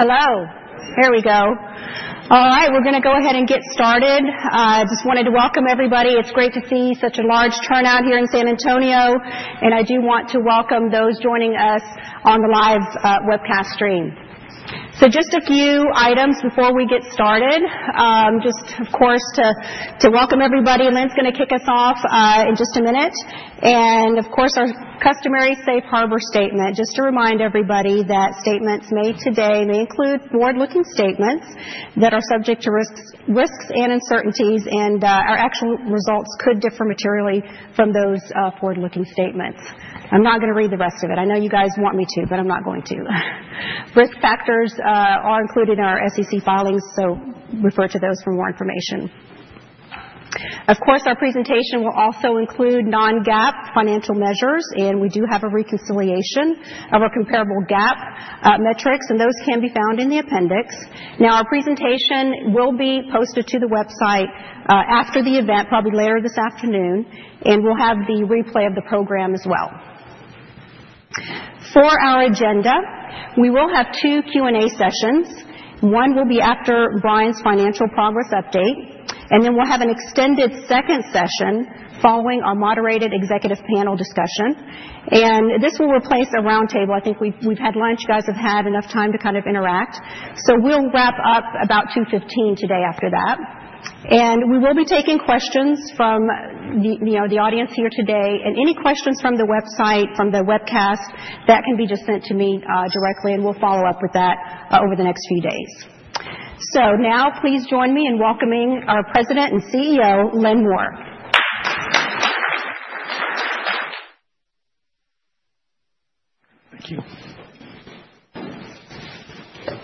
Hello. Here we go. All right, we're going to go ahead and get started. I just wanted to welcome everybody. It's great to see such a large turnout here in San Antonio, and I do want to welcome those joining us on the live webcast stream. Just a few items before we get started. Just, of course, to welcome everybody. Lynn's going to kick us off in just a minute. And, of course, our customary Safe Harbor statement. Just to remind everybody that statements made today may include forward-looking statements that are subject to risks and uncertainties, and our actual results could differ materially from those forward-looking statements. I'm not going to read the rest of it. I know you guys want me to, but I'm not going to. Risk factors are included in our SEC filings, so refer to those for more information. Of course, our presentation will also include non-GAAP financial measures, and we do have a reconciliation of our comparable GAAP metrics, and those can be found in the appendix. Now, our presentation will be posted to the website after the event, probably later this afternoon, and we'll have the replay of the program as well. For our agenda, we will have two Q&A sessions. One will be after Brian's financial progress update, and then we'll have an extended second session following our moderated executive panel discussion. This will replace a roundtable. I think we've had lunch. You guys have had enough time to kind of interact. We will wrap up about 2:15 today after that. We will be taking questions from the audience here today. Any questions from the website, from the webcast, can be just sent to me directly, and we'll follow up with that over the next few days. Please join me in welcoming our President and CEO, Lynn Moore.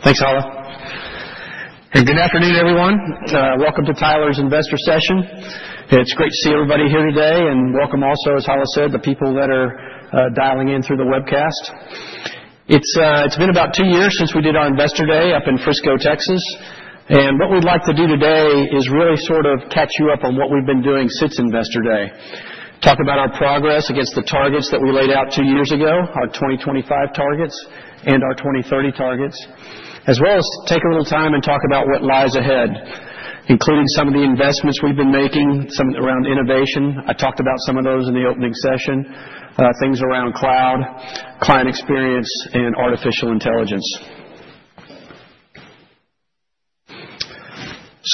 Thanks, Hala. Good afternoon, everyone. Welcome to Tyler's Investor Session. It's great to see everybody here today, and welcome also, as Hala said, to the people that are dialing in through the webcast. It's been about two years since we did our Investor Day up in Frisco, Texas. What we'd like to do today is really sort of catch you up on what we've been doing since Investor Day. Talk about our progress against the targets that we laid out two years ago, our 2025 targets and our 2030 targets, as well as take a little time and talk about what lies ahead, including some of the investments we've been making, some around innovation. I talked about some of those in the opening session, things around cloud, client experience, and artificial intelligence.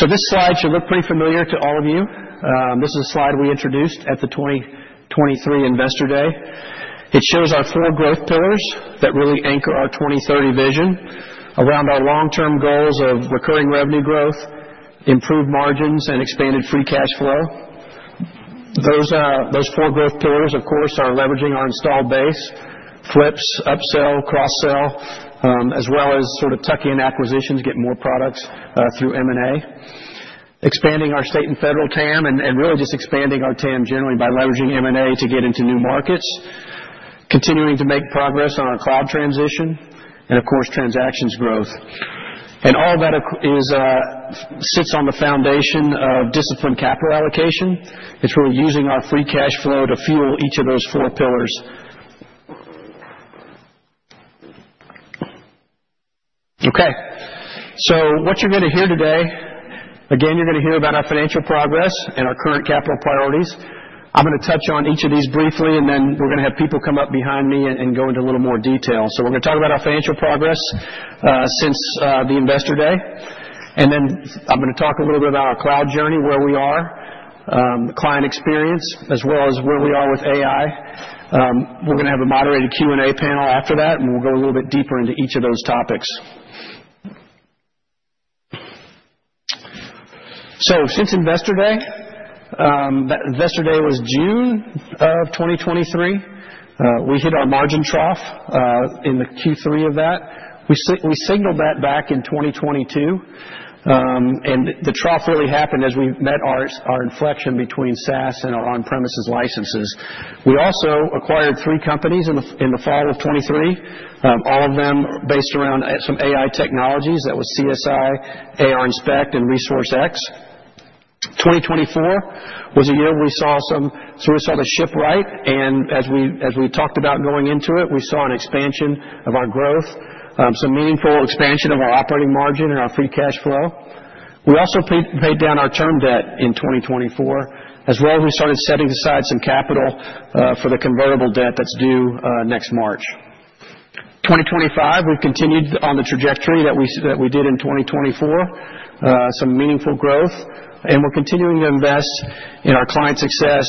This slide should look pretty familiar to all of you. This is a slide we introduced at the 2023 Investor Day. It shows our four growth pillars that really anchor our 2030 vision around our long-term goals of recurring revenue growth, improved margins, and expanded free cash flow. Those four growth pillars, of course, are leveraging our installed base: flips, upsell, cross-sell, as well as sort of tucking in acquisitions, getting more products through M&A, expanding our state and federal TAM, and really just expanding our TAM generally by leveraging M&A to get into new markets, continuing to make progress on our cloud transition, and, of course, transactions growth. All of that sits on the foundation of disciplined capital allocation. It's really using our free cash flow to fuel each of those four pillars. Okay. What you're going to hear today, again, you're going to hear about our financial progress and our current capital priorities. I'm going to touch on each of these briefly, and then we're going to have people come up behind me and go into a little more detail. We're going to talk about our financial progress since the Investor Day. I'm going to talk a little bit about our cloud journey, where we are, client experience, as well as where we are with AI. We're going to have a moderated Q&A panel after that, and we'll go a little bit deeper into each of those topics. Since Investor Day, Investor Day was June of 2023. We hit our margin trough in the Q3 of that. We signaled that back in 2022, and the trough really happened as we met our inflection between SaaS and our on-premises licenses. We also acquired three companies in the fall of 2023, all of them based around some AI technologies. That was CSI, ARInspect, and ResourceX. 2024 was a year where we saw some—so we saw the shift right, and as we talked about going into it, we saw an expansion of our growth, some meaningful expansion of our operating margin and our free cash flow. We also paid down our term debt in 2024, as well as we started setting aside some capital for the convertible debt that is due next March. 2025, we have continued on the trajectory that we did in 2024, some meaningful growth, and we are continuing to invest in our client success,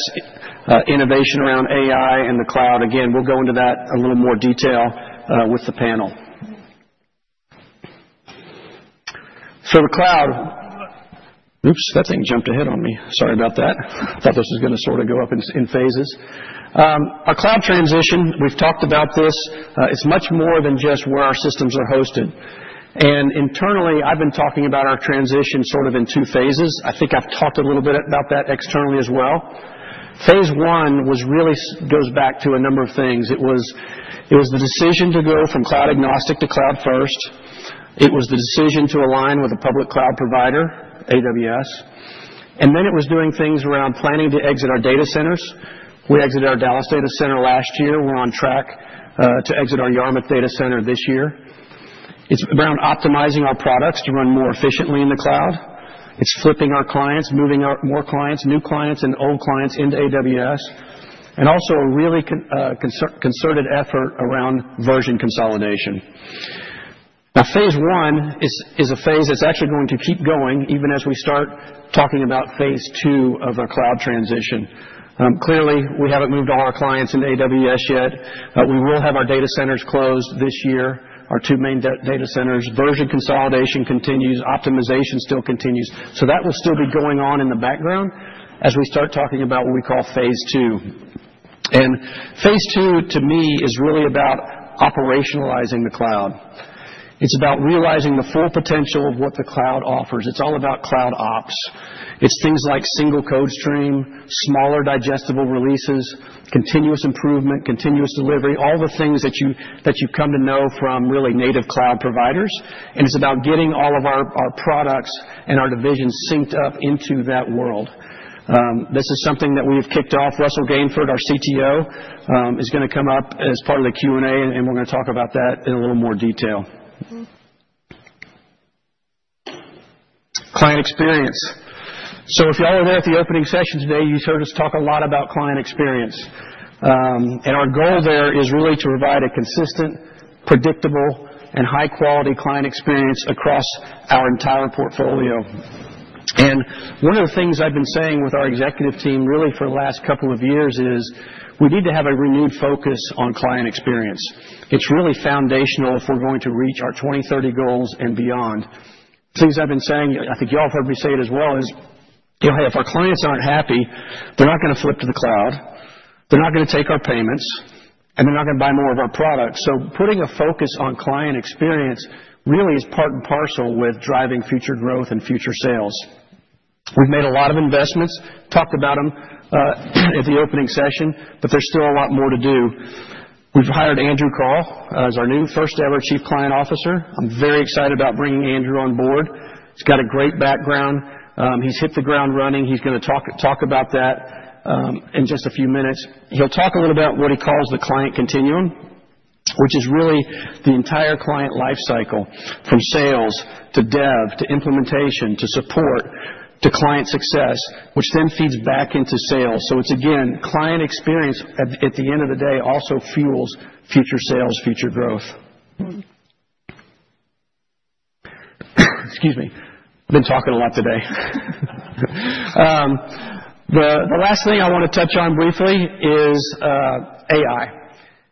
innovation around AI and the cloud. Again, we will go into that in a little more detail with the panel. The cloud—oops, that thing jumped ahead on me. Sorry about that. I thought this was going to sort of go up in phases. Our cloud transition, we have talked about this. It's much more than just where our systems are hosted. Internally, I've been talking about our transition sort of in two phases. I think I've talked a little bit about that externally as well. Phase one was really, goes back to a number of things. It was the decision to go from cloud-agnostic to cloud-first. It was the decision to align with a Public Cloud provider, AWS. It was doing things around planning to exit our data centers. We exited our Dallas data center last year. We're on track to exit our Yarmouth data center this year. It's around optimizing our products to run more efficiently in the cloud. It's flipping our clients, moving more clients, new clients, and old clients into AWS. Also a really concerted effort around version consolidation. Now, phase one is a phase that's actually going to keep going even as we start talking about phase two of our cloud transition. Clearly, we haven't moved all our clients into AWS yet, but we will have our data centers closed this year, our two main data centers. Version consolidation continues. Optimization still continues. That will still be going on in the background as we start talking about what we call phase two. Phase two, to me, is really about operationalizing the cloud. It's about realizing the full potential of what the cloud offers. It's all about Cloud Ops. It's things like single code stream, smaller digestible releases, continuous improvement, continuous delivery, all the things that you come to know from really native cloud providers. It's about getting all of our products and our division synced up into that world. This is something that we have kicked off. Russell Gainford, our CTO, is going to come up as part of the Q&A, and we're going to talk about that in a little more detail. Client experience. If y'all were there at the opening session today, you've heard us talk a lot about client experience. Our goal there is really to provide a consistent, predictable, and high-quality client experience across our entire portfolio. One of the things I've been saying with our executive team really for the last couple of years is we need to have a renewed focus on client experience. It's really foundational if we're going to reach our 2030 goals and beyond. Things I've been saying, I think y'all have heard me say it as well, is if our clients aren't happy, they're not going to flip to the cloud, they're not going to take our payments, and they're not going to buy more of our products. Putting a focus on client experience really is part and parcel with driving future growth and future sales. We've made a lot of investments, talked about them at the opening session, but there's still a lot more to do. We've hired Andrew Call as our new first-ever Chief Client Officer. I'm very excited about bringing Andrew on board. He's got a great background. He's hit the ground running. He's going to talk about that in just a few minutes. He'll talk a little about what he calls the client continuum, which is really the entire client lifecycle from sales to dev to implementation to support to client success, which then feeds back into sales. It is, again, client experience at the end of the day also fuels future sales, future growth. Excuse me. I've been talking a lot today. The last thing I want to touch on briefly is AI.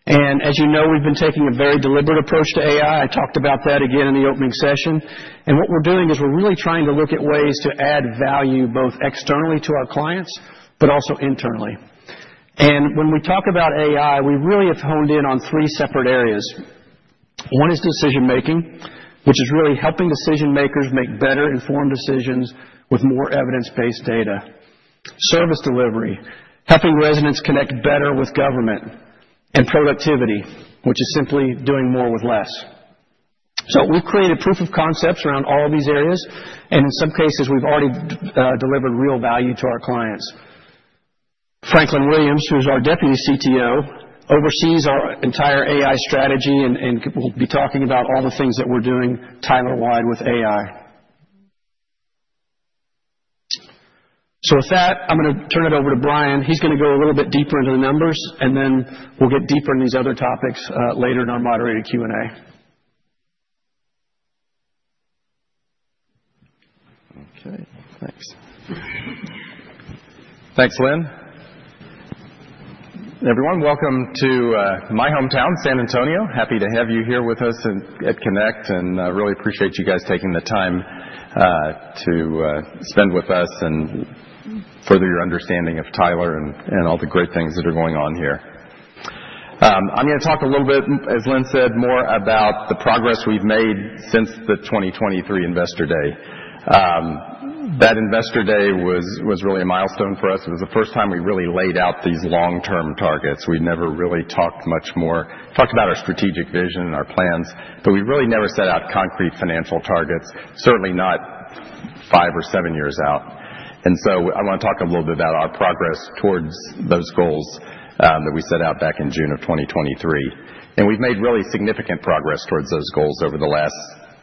As you know, we've been taking a very deliberate approach to AI. I talked about that again in the opening session. What we're doing is we're really trying to look at ways to add value both externally to our clients, but also internally. When we talk about AI, we really have honed in on three separate areas. One is decision-making, which is really helping decision-makers make better informed decisions with more evidence-based data. Service delivery, helping residents connect better with government and productivity, which is simply doing more with less. We have created proof of concepts around all of these areas, and in some cases, we have already delivered real value to our clients. Franklin Williams, who is our Deputy Chief Technology Officer, oversees our entire AI strategy and will be talking about all the things that we are doing Tyler-wide with AI. With that, I am going to turn it over to Brian. He is going to go a little bit deeper into the numbers, and then we will get deeper into these other topics later in our moderated Q&A. Okay. Thanks. Thanks, Lynn. Everyone, welcome to my hometown, San Antonio. Happy to have you here with us at Connect, and I really appreciate you guys taking the time to spend with us and further your understanding of Tyler and all the great things that are going on here. I'm going to talk a little bit, as Lynn said, more about the progress we've made since the 2023 Investor Day. That Investor Day was really a milestone for us. It was the first time we really laid out these long-term targets. We'd never really talked much more, talked about our strategic vision and our plans, but we really never set out concrete financial targets, certainly not five or seven years out. I want to talk a little bit about our progress towards those goals that we set out back in June of 2023. We have made really significant progress towards those goals over the last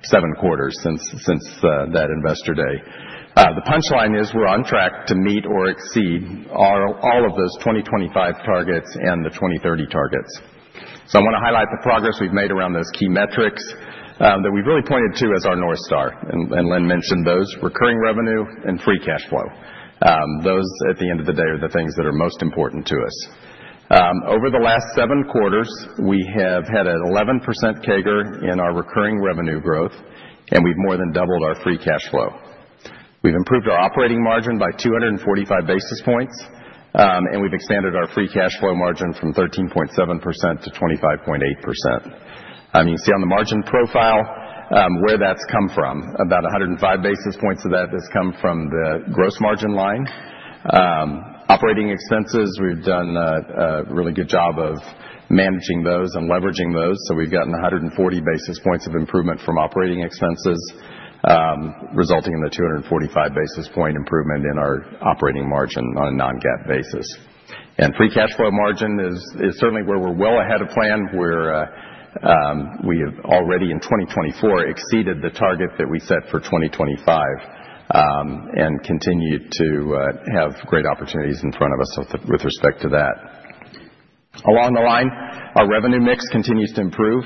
seven quarters since that Investor Day. The punchline is we are on track to meet or exceed all of those 2025 targets and the 2030 targets. I want to highlight the progress we have made around those key metrics that we have really pointed to as our North Star. Lynn mentioned those: recurring revenue and free cash flow. Those, at the end of the day, are the things that are most important to us. Over the last seven quarters, we have had an 11% CAGR in our recurring revenue growth, and we have more than doubled our free cash flow. We have improved our operating margin by 245 basis points, and we have expanded our free cash flow margin from 13.7% to 25.8%. You can see on the margin profile where that has come from. About 105 basis points of that has come from the gross margin line. Operating expenses, we've done a really good job of managing those and leveraging those. So we've gotten 140 basis points of improvement from operating expenses, resulting in the 245 basis point improvement in our operating margin on a non-GAAP basis. Free cash flow margin is certainly where we're well ahead of plan. We have already in 2024 exceeded the target that we set for 2025 and continue to have great opportunities in front of us with respect to that. Along the line, our revenue mix continues to improve.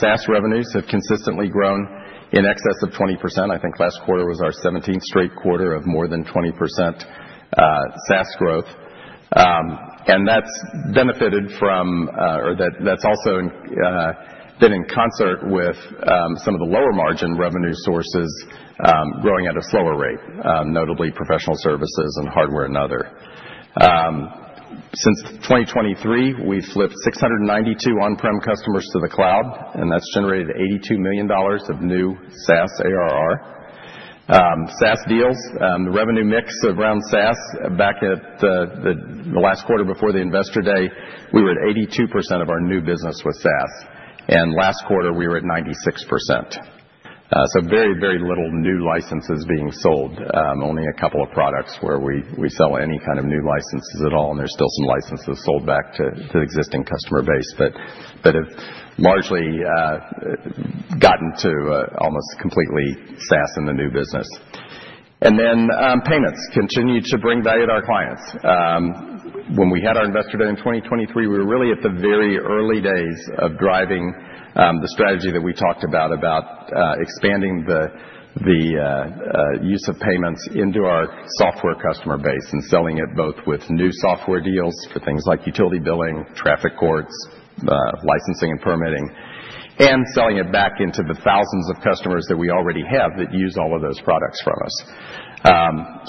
SaaS revenues have consistently grown in excess of 20%. I think last quarter was our 17th straight quarter of more than 20% SaaS growth. That has benefited from, or that has also been in concert with some of the lower margin revenue sources growing at a slower rate, notably professional services and hardware and other. Since 2023, we have flipped 692 on-prem customers to the cloud, and that has generated $82 million of new SaaS ARR. SaaS deals, the revenue mix around SaaS back at the last quarter before the Investor Day, we were at 82% of our new business with SaaS. Last quarter, we were at 96%. Very, very little new licenses being sold, only a couple of products where we sell any kind of new licenses at all, and there are still some licenses sold back to the existing customer base, but have largely gotten to almost completely SaaS in the new business. Payments continue to bring value to our clients. When we had our Investor Day in 2023, we were really at the very early days of driving the strategy that we talked about, about expanding the use of payments into our software customer base and selling it both with new software deals for things like utility billing, traffic courts, licensing and permitting, and selling it back into the thousands of customers that we already have that use all of those products from us.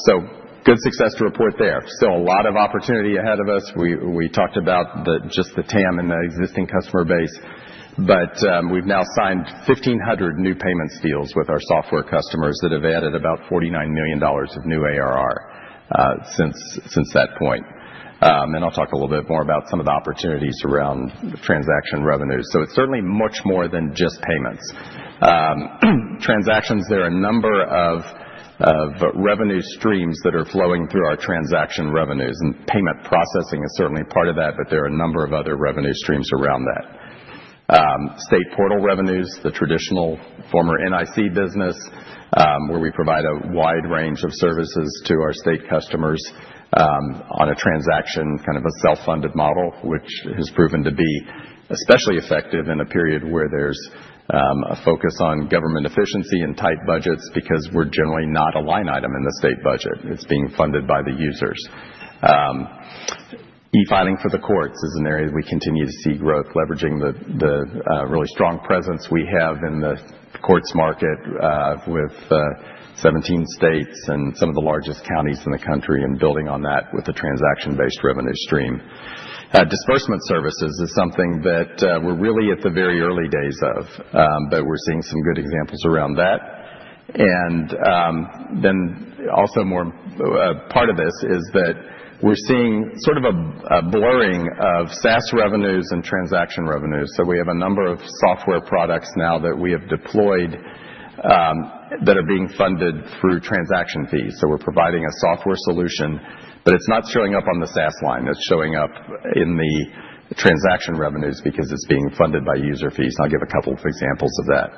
Good success to report there. Still a lot of opportunity ahead of us. We talked about just the TAM and the existing customer base, but we've now signed 1,500 new payments deals with our software customers that have added about $49 million of new ARR since that point. I'll talk a little bit more about some of the opportunities around transaction revenues. It's certainly much more than just payments. Transactions, there are a number of revenue streams that are flowing through our transaction revenues, and payment processing is certainly part of that, but there are a number of other revenue streams around that. State portal revenues, the traditional former NIC business, where we provide a wide range of services to our state customers on a transaction, kind of a self-funded model, which has proven to be especially effective in a period where there is a focus on government efficiency and tight budgets because we are generally not a line item in the state budget. It is being funded by the users. E-filing for the courts is an area that we continue to see growth, leveraging the really strong presence we have in the courts market with 17 states and some of the largest counties in the country and building on that with the transaction-based revenue stream. Disbursement services is something that we're really at the very early days of, but we're seeing some good examples around that. Also, more part of this is that we're seeing sort of a blurring of SaaS revenues and transaction revenues. We have a number of software products now that we have deployed that are being funded through transaction fees. We're providing a software solution, but it's not showing up on the SaaS line. It's showing up in the transaction revenues because it's being funded by user fees. I'll give a couple of examples of that.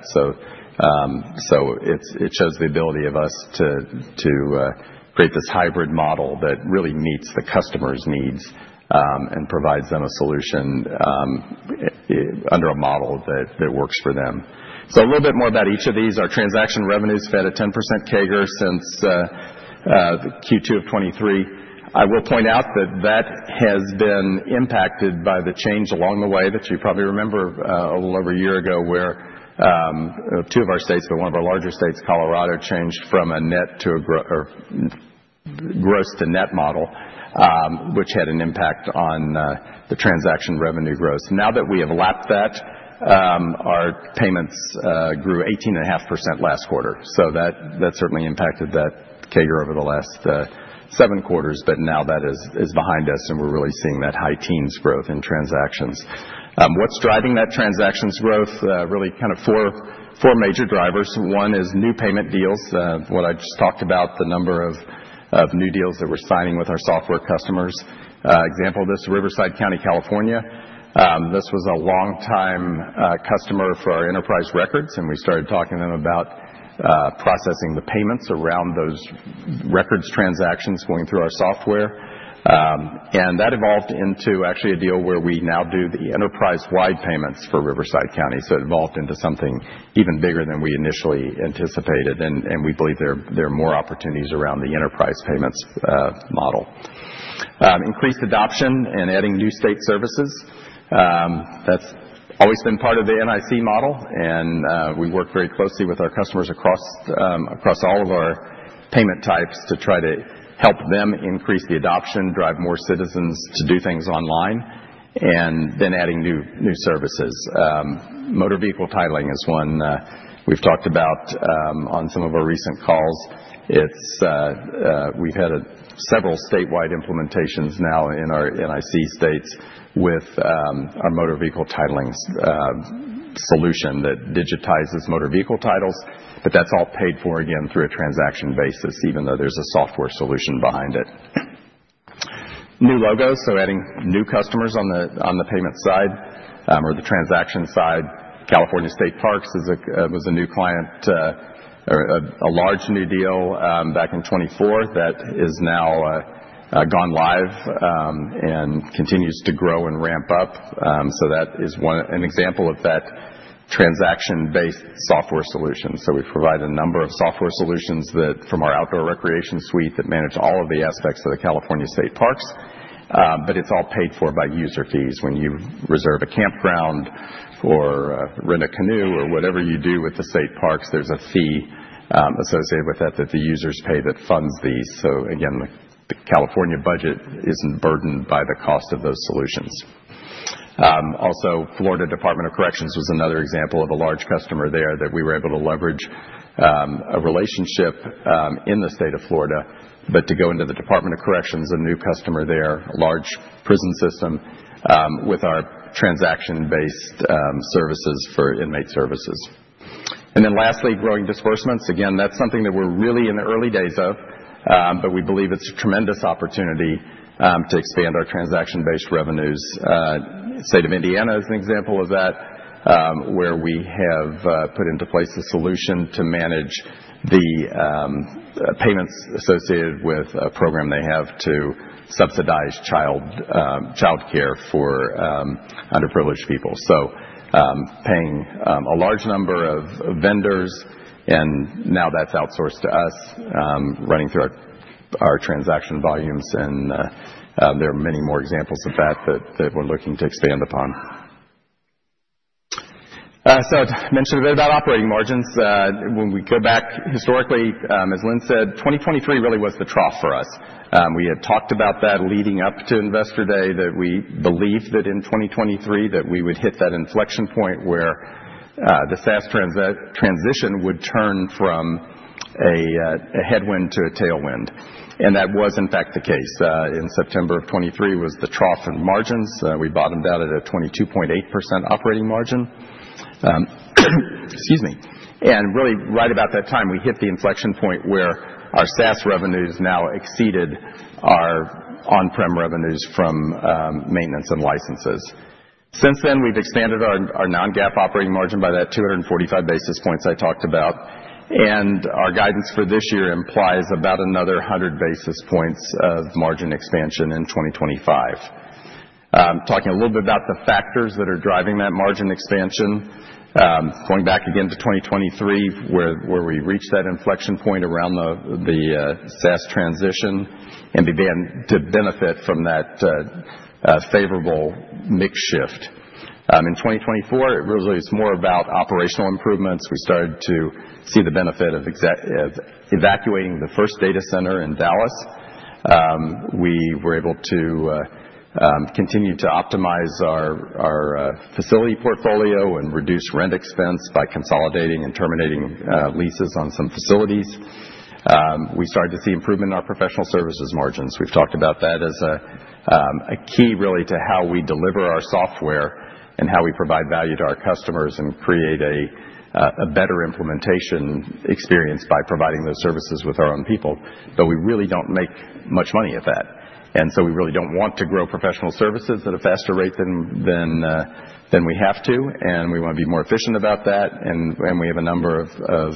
It shows the ability of us to create this hybrid model that really meets the customer's needs and provides them a solution under a model that works for them. A little bit more about each of these. Our transaction revenues fed at 10% CAGR since Q2 of 2023. I will point out that that has been impacted by the change along the way that you probably remember a little over a year ago where two of our states, but one of our larger states, Colorado, changed from a net to a gross to net model, which had an impact on the transaction revenue growth. Now that we have lapped that, our payments grew 18.5% last quarter. That certainly impacted that CAGR over the last seven quarters, but now that is behind us, and we're really seeing that high teens growth in transactions. What's driving that transactions growth? Really kind of four major drivers. One is new payment deals, what I just talked about, the number of new deals that we're signing with our software customers. Example of this, Riverside County, California. This was a longtime customer for our Enterprise Records, and we started talking to them about processing the payments around those records transactions going through our software. That evolved into actually a deal where we now do the enterprise-wide payments for Riverside County. It evolved into something even bigger than we initially anticipated, and we believe there are more opportunities around the enterprise payments model. Increased adoption and adding new state services has always been part of the NIC model, and we work very closely with our customers across all of our payment types to try to help them increase the adoption, drive more citizens to do things online, and then adding new services. Motor Vehicle Titling is one we have talked about on some of our recent calls. We've had several statewide implementations now in our NIC states with our motor vehicle titling solution that digitizes motor vehicle titles, but that's all paid for, again, through a transaction basis, even though there's a software solution behind it. New logos, so adding new customers on the payment side or the transaction side. California State Parks was a new client or a large new deal back in 2024 that has now gone live and continues to grow and ramp up. That is an example of that transaction-based software solution. We provide a number of software solutions from our Outdoor Recreation Suite that manage all of the aspects of the California State Parks, but it's all paid for by user fees. When you reserve a campground or rent a canoe or whatever you do with the state parks, there's a fee associated with that that the users pay that funds these. Again, the California budget isn't burdened by the cost of those solutions. Also, Florida Department of Corrections was another example of a large customer there that we were able to leverage a relationship in the state of Florida, but to go into the Department of Corrections, a new customer there, a large prison system with our transaction-based services for inmate services. Lastly, growing disbursements. Again, that's something that we're really in the early days of, but we believe it's a tremendous opportunity to expand our transaction-based revenues. State of Indiana is an example of that where we have put into place a solution to manage the payments associated with a program they have to subsidize childcare for underprivileged people. So paying a large number of vendors, and now that's outsourced to us, running through our transaction volumes, and there are many more examples of that that we're looking to expand upon. I have mentioned a bit about operating margins. When we go back historically, as Lynn said, 2023 really was the trough for us. We had talked about that leading up to Investor Day, that we believed that in 2023 that we would hit that inflection point where the SaaS transition would turn from a headwind to a tailwind. That was, in fact, the case. In September of 2023 was the trough in margins. We bottomed out at a 22.8% operating margin. Excuse me. Really right about that time, we hit the inflection point where our SaaS revenues now exceeded our on-prem revenues from maintenance and licenses. Since then, we've expanded our non-GAAP operating margin by that 245 basis points I talked about. Our guidance for this year implies about another 100 basis points of margin expansion in 2025. Talking a little bit about the factors that are driving that margin expansion, going back again to 2023 where we reached that inflection point around the SaaS transition and began to benefit from that favorable mix shift. In 2024, it really is more about operational improvements. We started to see the benefit of evacuating the first data center in Dallas. We were able to continue to optimize our facility portfolio and reduce rent expense by consolidating and terminating leases on some facilities. We started to see improvement in our professional services margins. We've talked about that as a key really to how we deliver our software and how we provide value to our customers and create a better implementation experience by providing those services with our own people, but we really do not make much money at that. We really do not want to grow professional services at a faster rate than we have to, and we want to be more efficient about that. We have a number of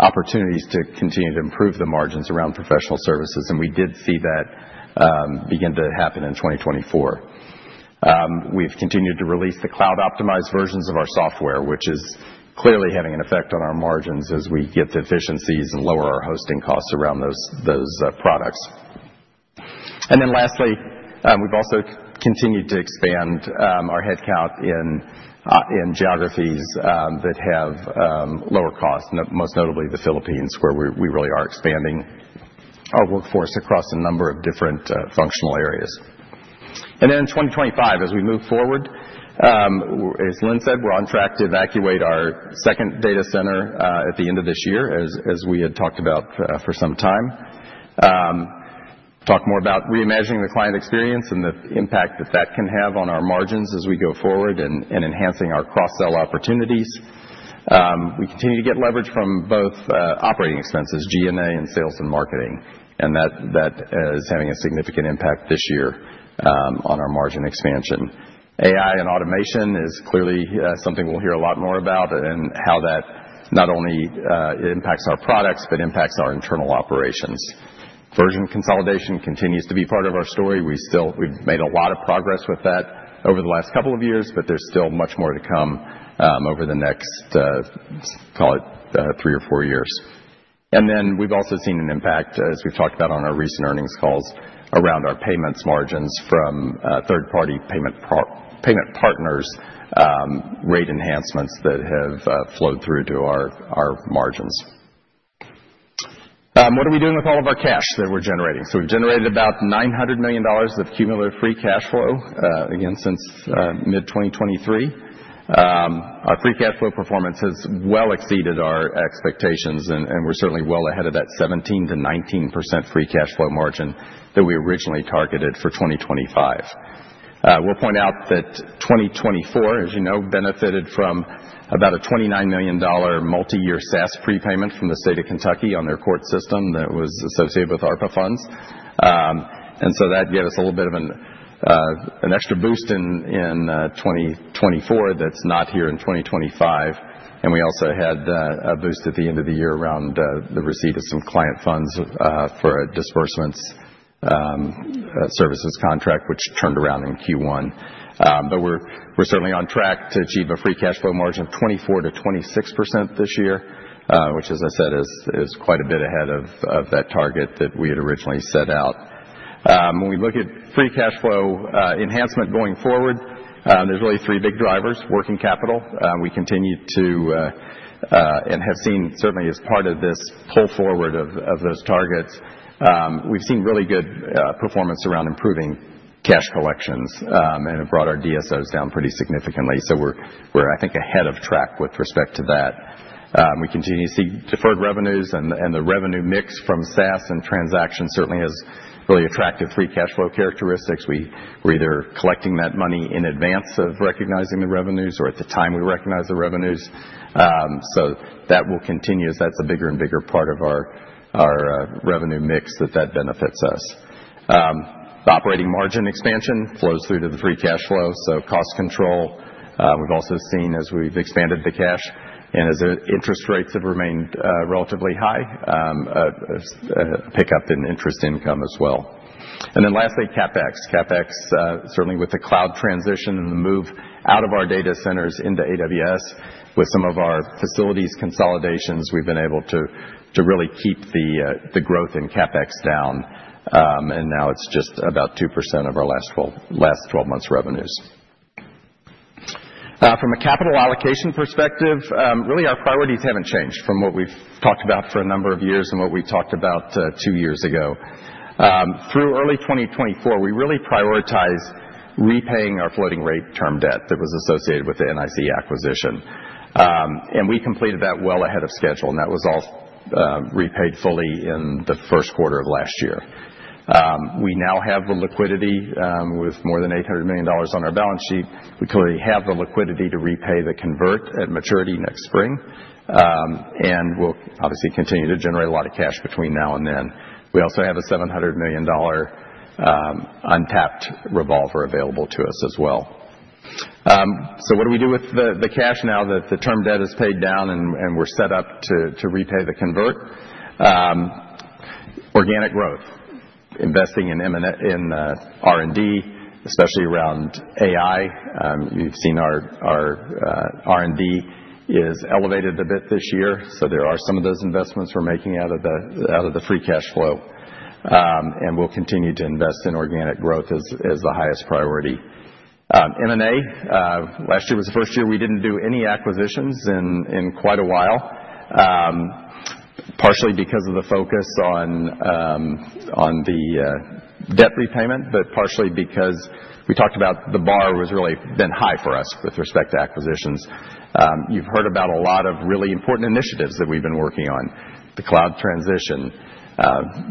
opportunities to continue to improve the margins around professional services, and we did see that begin to happen in 2024. We have continued to release the cloud-optimized versions of our software, which is clearly having an effect on our margins as we get the efficiencies and lower our hosting costs around those products. Lastly, we've also continued to expand our headcount in geographies that have lower costs, most notably the Philippines, where we really are expanding our workforce across a number of different functional areas. In 2025, as we move forward, as Lynn said, we're on track to evacuate our second data center at the end of this year, as we had talked about for some time. Talk more about reimagining the client experience and the impact that that can have on our margins as we go forward and enhancing our cross-sell opportunities. We continue to get leverage from both operating expenses, G&A, and sales and marketing, and that is having a significant impact this year on our margin expansion. AI and automation is clearly something we'll hear a lot more about and how that not only impacts our products, but impacts our internal operations. Version consolidation continues to be part of our story. We've made a lot of progress with that over the last couple of years, but there's still much more to come over the next, call it three or four years. We've also seen an impact, as we've talked about on our recent earnings calls, around our payments margins from third-party payment partners' rate enhancements that have flowed through to our margins. What are we doing with all of our cash that we're generating? We've generated about $900 million of cumulative free cash flow again since mid-2023. Our free cash flow performance has well exceeded our expectations, and we're certainly well ahead of that 17%-19% free cash flow margin that we originally targeted for 2025. We'll point out that 2024, as you know, benefited from about a $29 million multi-year SaaS prepayment from the state of Kentucky on their court system that was associated with ARPA funds. That gave us a little bit of an extra boost in 2024 that's not here in 2025. We also had a boost at the end of the year around the receipt of some client funds for a disbursement services contract, which turned around in Q1. We're certainly on track to achieve a free cash flow margin of 24-26% this year, which, as I said, is quite a bit ahead of that target that we had originally set out. When we look at free cash flow enhancement going forward, there's really three big drivers: working capital. We continue to and have seen, certainly as part of this pull forward of those targets, we've seen really good performance around improving cash collections and have brought our DSOs down pretty significantly. We're, I think, ahead of track with respect to that. We continue to see deferred revenues, and the revenue mix from SaaS and transactions certainly has really attracted free cash flow characteristics. We're either collecting that money in advance of recognizing the revenues or at the time we recognize the revenues. That will continue as that's a bigger and bigger part of our revenue mix that benefits us. Operating margin expansion flows through to the free cash flow, so cost control. We've also seen, as we've expanded the cash and as interest rates have remained relatively high, a pickup in interest income as well. Lastly, CapEx. CapEx, certainly with the cloud transition and the move out of our data centers into AWS, with some of our facilities consolidations, we've been able to really keep the growth in CapEx down, and now it's just about 2% of our last 12 months' revenues. From a capital allocation perspective, really our priorities haven't changed from what we've talked about for a number of years and what we talked about two years ago. Through early 2024, we really prioritized repaying our floating rate term debt that was associated with the NIC acquisition. We completed that well ahead of schedule, and that was all repaid fully in the first quarter of last year. We now have the liquidity with more than $800 million on our balance sheet. We clearly have the liquidity to repay the convert at maturity next spring, and we'll obviously continue to generate a lot of cash between now and then. We also have a $700 million untapped revolver available to us as well. What do we do with the cash now that the term debt is paid down and we're set up to repay the convert? Organic growth. Investing in R&D, especially around AI. You've seen our R&D is elevated a bit this year, so there are some of those investments we're making out of the free cash flow. We'll continue to invest in organic growth as the highest priority. M&A. Last year was the first year we didn't do any acquisitions in quite a while, partially because of the focus on the debt repayment, but partially because we talked about the bar was really been high for us with respect to acquisitions. You've heard about a lot of really important initiatives that we've been working on: the cloud transition,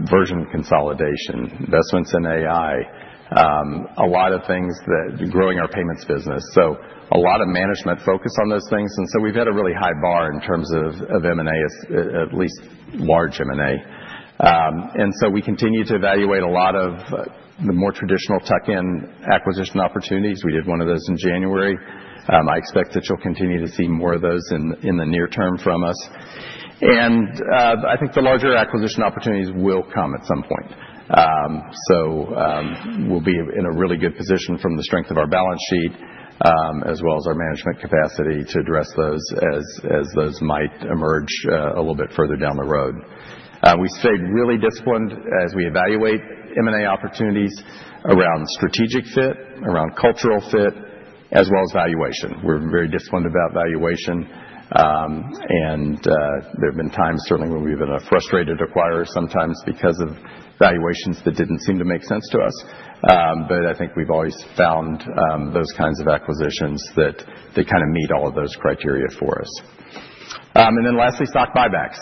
version consolidation, investments in AI, a lot of things that growing our payments business. A lot of management focus on those things, and we've had a really high bar in terms of M&A, at least large M&A. We continue to evaluate a lot of the more traditional tuck-in acquisition opportunities. We did one of those in January. I expect that you'll continue to see more of those in the near term from us. I think the larger acquisition opportunities will come at some point. We'll be in a really good position from the strength of our balance sheet as well as our management capacity to address those as those might emerge a little bit further down the road. We stayed really disciplined as we evaluate M&A opportunities around strategic fit, around cultural fit, as well as valuation. We're very disciplined about valuation, and there have been times certainly when we've been a frustrated acquirer sometimes because of valuations that didn't seem to make sense to us. I think we've always found those kinds of acquisitions that kind of meet all of those criteria for us. Lastly, stock buybacks.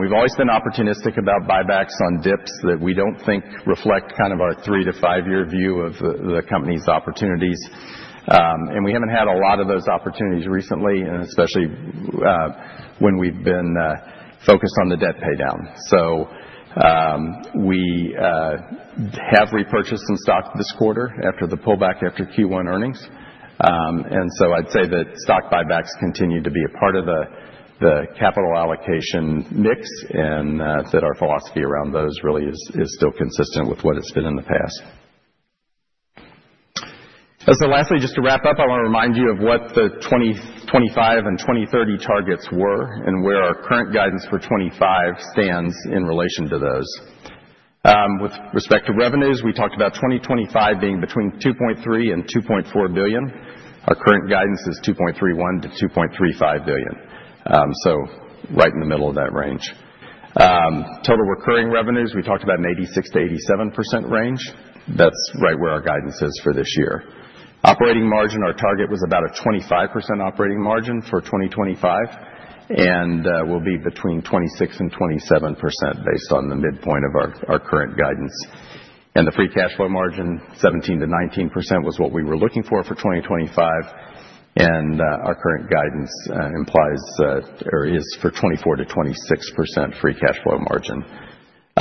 We've always been opportunistic about buybacks on dips that we don't think reflect kind of our three to five-year view of the company's opportunities. We haven't had a lot of those opportunities recently, especially when we've been focused on the debt paydown. We have repurchased some stock this quarter after the pullback after Q1 earnings. I'd say that stock buybacks continue to be a part of the capital allocation mix and that our philosophy around those really is still consistent with what it's been in the past. Lastly, just to wrap up, I want to remind you of what the 2025 and 2030 targets were and where our current guidance for 2025 stands in relation to those. With respect to revenues, we talked about 2025 being between $2.3 billion and $2.4 billion. Our current guidance is $2.31 billion-$2.35 billion, right in the middle of that range. Total recurring revenues, we talked about an 86%-87% range. That's right where our guidance is for this year. Operating margin, our target was about a 25% operating margin for 2025, and we'll be between 26%-27% based on the midpoint of our current guidance. The free cash flow margin, 17%-19%, was what we were looking for for 2025. Our current guidance implies or is for 24%-26% free cash flow margin.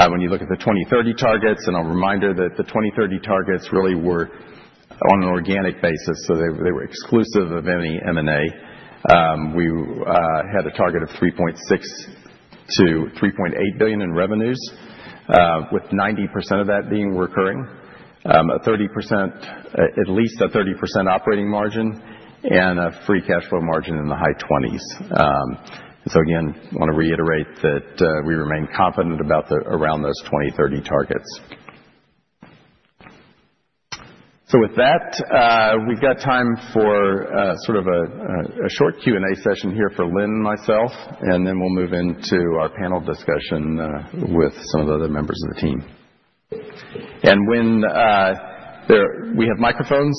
When you look at the 2030 targets, and I'll remind you that the 2030 targets really were on an organic basis, so they were exclusive of any M&A. We had a target of $3.6 billion-$3.8 billion in revenues, with 90% of that being recurring, at least a 30% operating margin, and a free cash flow margin in the high 20s. I want to reiterate that we remain confident around those 2030 targets. With that, we've got time for sort of a short Q&A session here for Lynn and myself, and then we'll move into our panel discussion with some of the other members of the team. We have microphones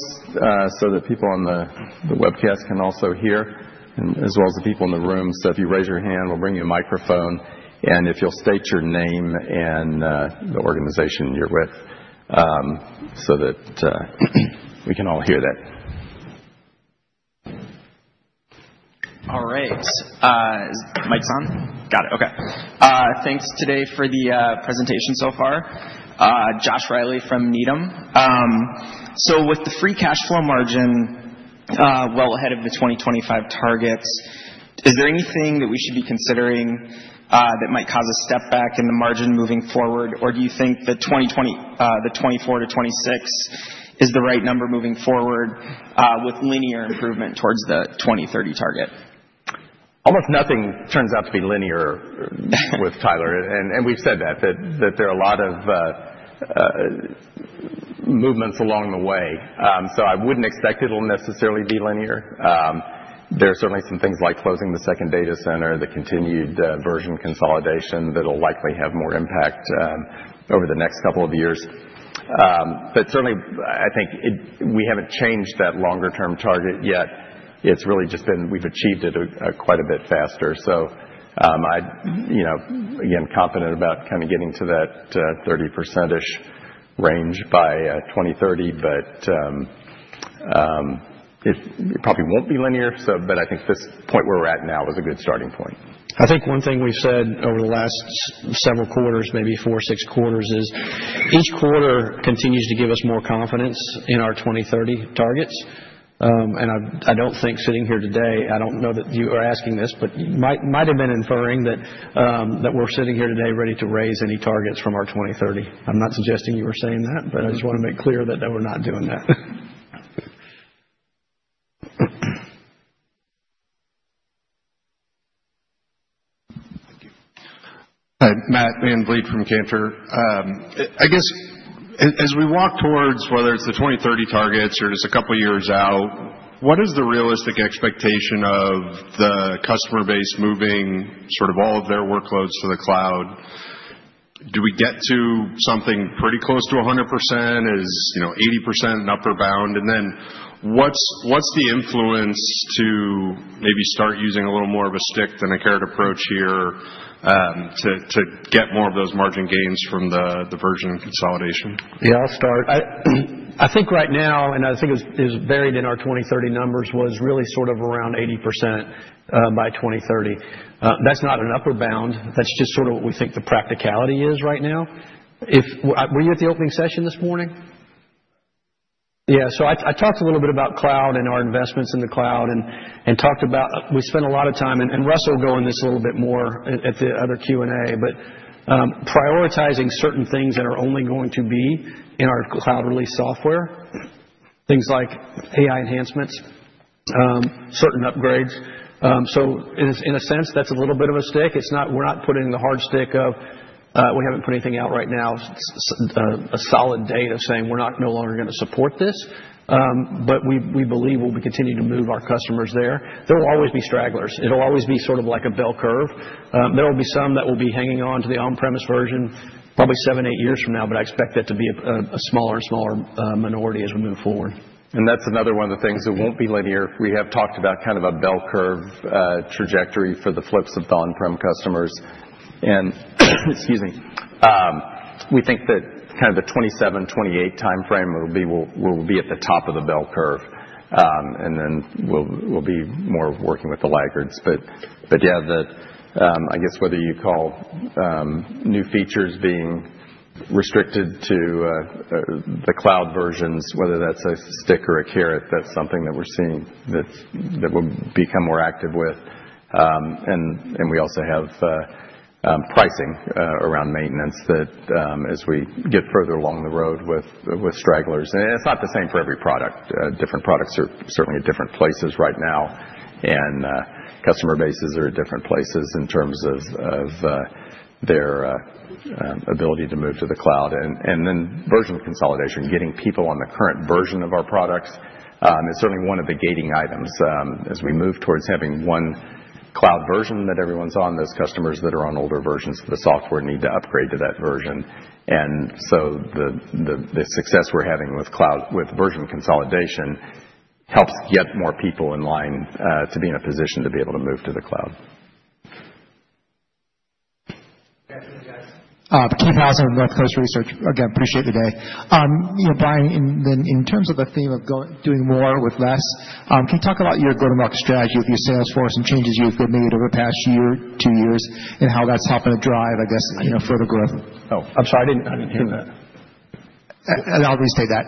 so that people on the webcast can also hear, as well as the people in the room. If you raise your hand, we'll bring you a microphone. If you'll state your name and the organization you're with so that we can all hear that. All right. Mic's on. Got it. Okay. Thanks today for the presentation so far. Josh Riley from Needham. With the free cash flow margin well ahead of the 2025 targets, is there anything that we should be considering that might cause a step back in the margin moving forward, or do you think the 24-26% is the right number moving forward with linear improvement towards the 2030 target? Almost nothing turns out to be linear with Tyler, and we've said that there are a lot of movements along the way. I wouldn't expect it'll necessarily be linear. There are certainly some things like closing the second data center, the continued version consolidation that'll likely have more impact over the next couple of years. Certainly, I think we haven't changed that longer-term target yet. It's really just been we've achieved it quite a bit faster. I'm, again, confident about kind of getting to that 30%-ish range by 2030, but it probably won't be linear. I think this point where we're at now is a good starting point. I think one thing we've said over the last several quarters, maybe four-six quarters, is each quarter continues to give us more confidence in our 2030 targets. I don't think sitting here today—I don't know that you are asking this, but you might have been inferring that we're sitting here today ready to raise any targets from our 2030. I'm not suggesting you were saying that, but I just want to make clear that we're not doing that. Thank you. Hi, Matt VanVliet from Cantor. I guess as we walk towards whether it's the 2030 targets or just a couple of years out, what is the realistic expectation of the customer base moving sort of all of their workloads to the cloud? Do we get to something pretty close to 100%? Is 80% an upper bound? And then what's the influence to maybe start using a little more of a stick-than-a-carrot approach here to get more of those margin gains from the version consolidation? Yeah, I'll start. I think right now, and I think it was buried in our 2030 numbers, was really sort of around 80% by 2030. That's not an upper bound. That's just sort of what we think the practicality is right now. Were you at the opening session this morning? Yeah. I talked a little bit about cloud and our investments in the cloud and talked about we spent a lot of time, and Russell will go on this a little bit more at the other Q&A, but prioritizing certain things that are only going to be in our cloud-released software, things like AI enhancements, certain upgrades. In a sense, that's a little bit of a stick. We're not putting the hard stick of we haven't put anything out right now, a solid data saying we're not no longer going to support this, but we believe we'll continue to move our customers there. There will always be stragglers. It'll always be sort of like a bell curve. There will be some that will be hanging on to the on-premise version probably seven, eight years from now, but I expect that to be a smaller and smaller minority as we move forward. That is another one of the things that will not be linear. We have talked about kind of a bell curve trajectory for the flips of the on-prem customers. Excuse me. We think that kind of the 2027, 2028 timeframe will be at the top of the bell curve, and then we will be more working with the laggards. Yeah, I guess whether you call new features being restricted to the cloud versions, whether that is a stick or a carrot, that is something that we are seeing that will become more active with. We also have pricing around maintenance as we get further along the road with stragglers. It is not the same for every product. Different products are certainly at different places right now, and customer bases are at different places in terms of their ability to move to the cloud. Then version consolidation, getting people on the current version of our products is certainly one of the gating items as we move towards having one cloud version that everyone's on. Those customers that are on older versions of the software need to upgrade to that version. The success we're having with version consolidation helps get more people in line to be in a position to be able to move to the cloud. Good afternoon, guys. Keith Housum of Northcoast Research. Again, appreciate the day. Brian, in terms of the theme of doing more with less, can you talk about your go-to-market strategy with your Salesforce and changes you've made over the past year, two years, and how that's helped to drive, I guess, further growth? Oh, I'm sorry. I didn't hear that. I'll restate that.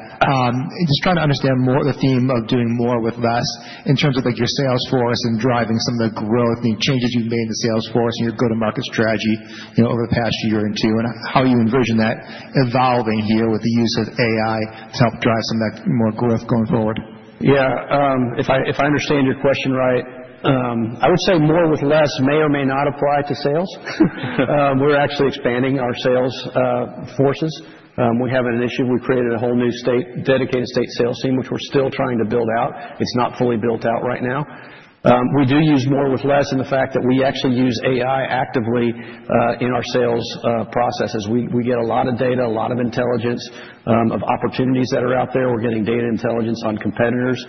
Just trying to understand more of the theme of doing more with less in terms of your Salesforce and driving some of the growth and changes you've made in the Salesforce and your go-to-market strategy over the past year or two and how you envision that evolving here with the use of AI to help drive some of that more growth going forward. Yeah. If I understand your question right, I would say more with less may or may not apply to sales. We're actually expanding our sales forces. We have an issue. We created a whole new dedicated state sales team, which we're still trying to build out. It's not fully built out right now. We do use more with less in the fact that we actually use AI actively in our sales processes. We get a lot of data, a lot of intelligence of opportunities that are out there. We're getting data intelligence on competitors.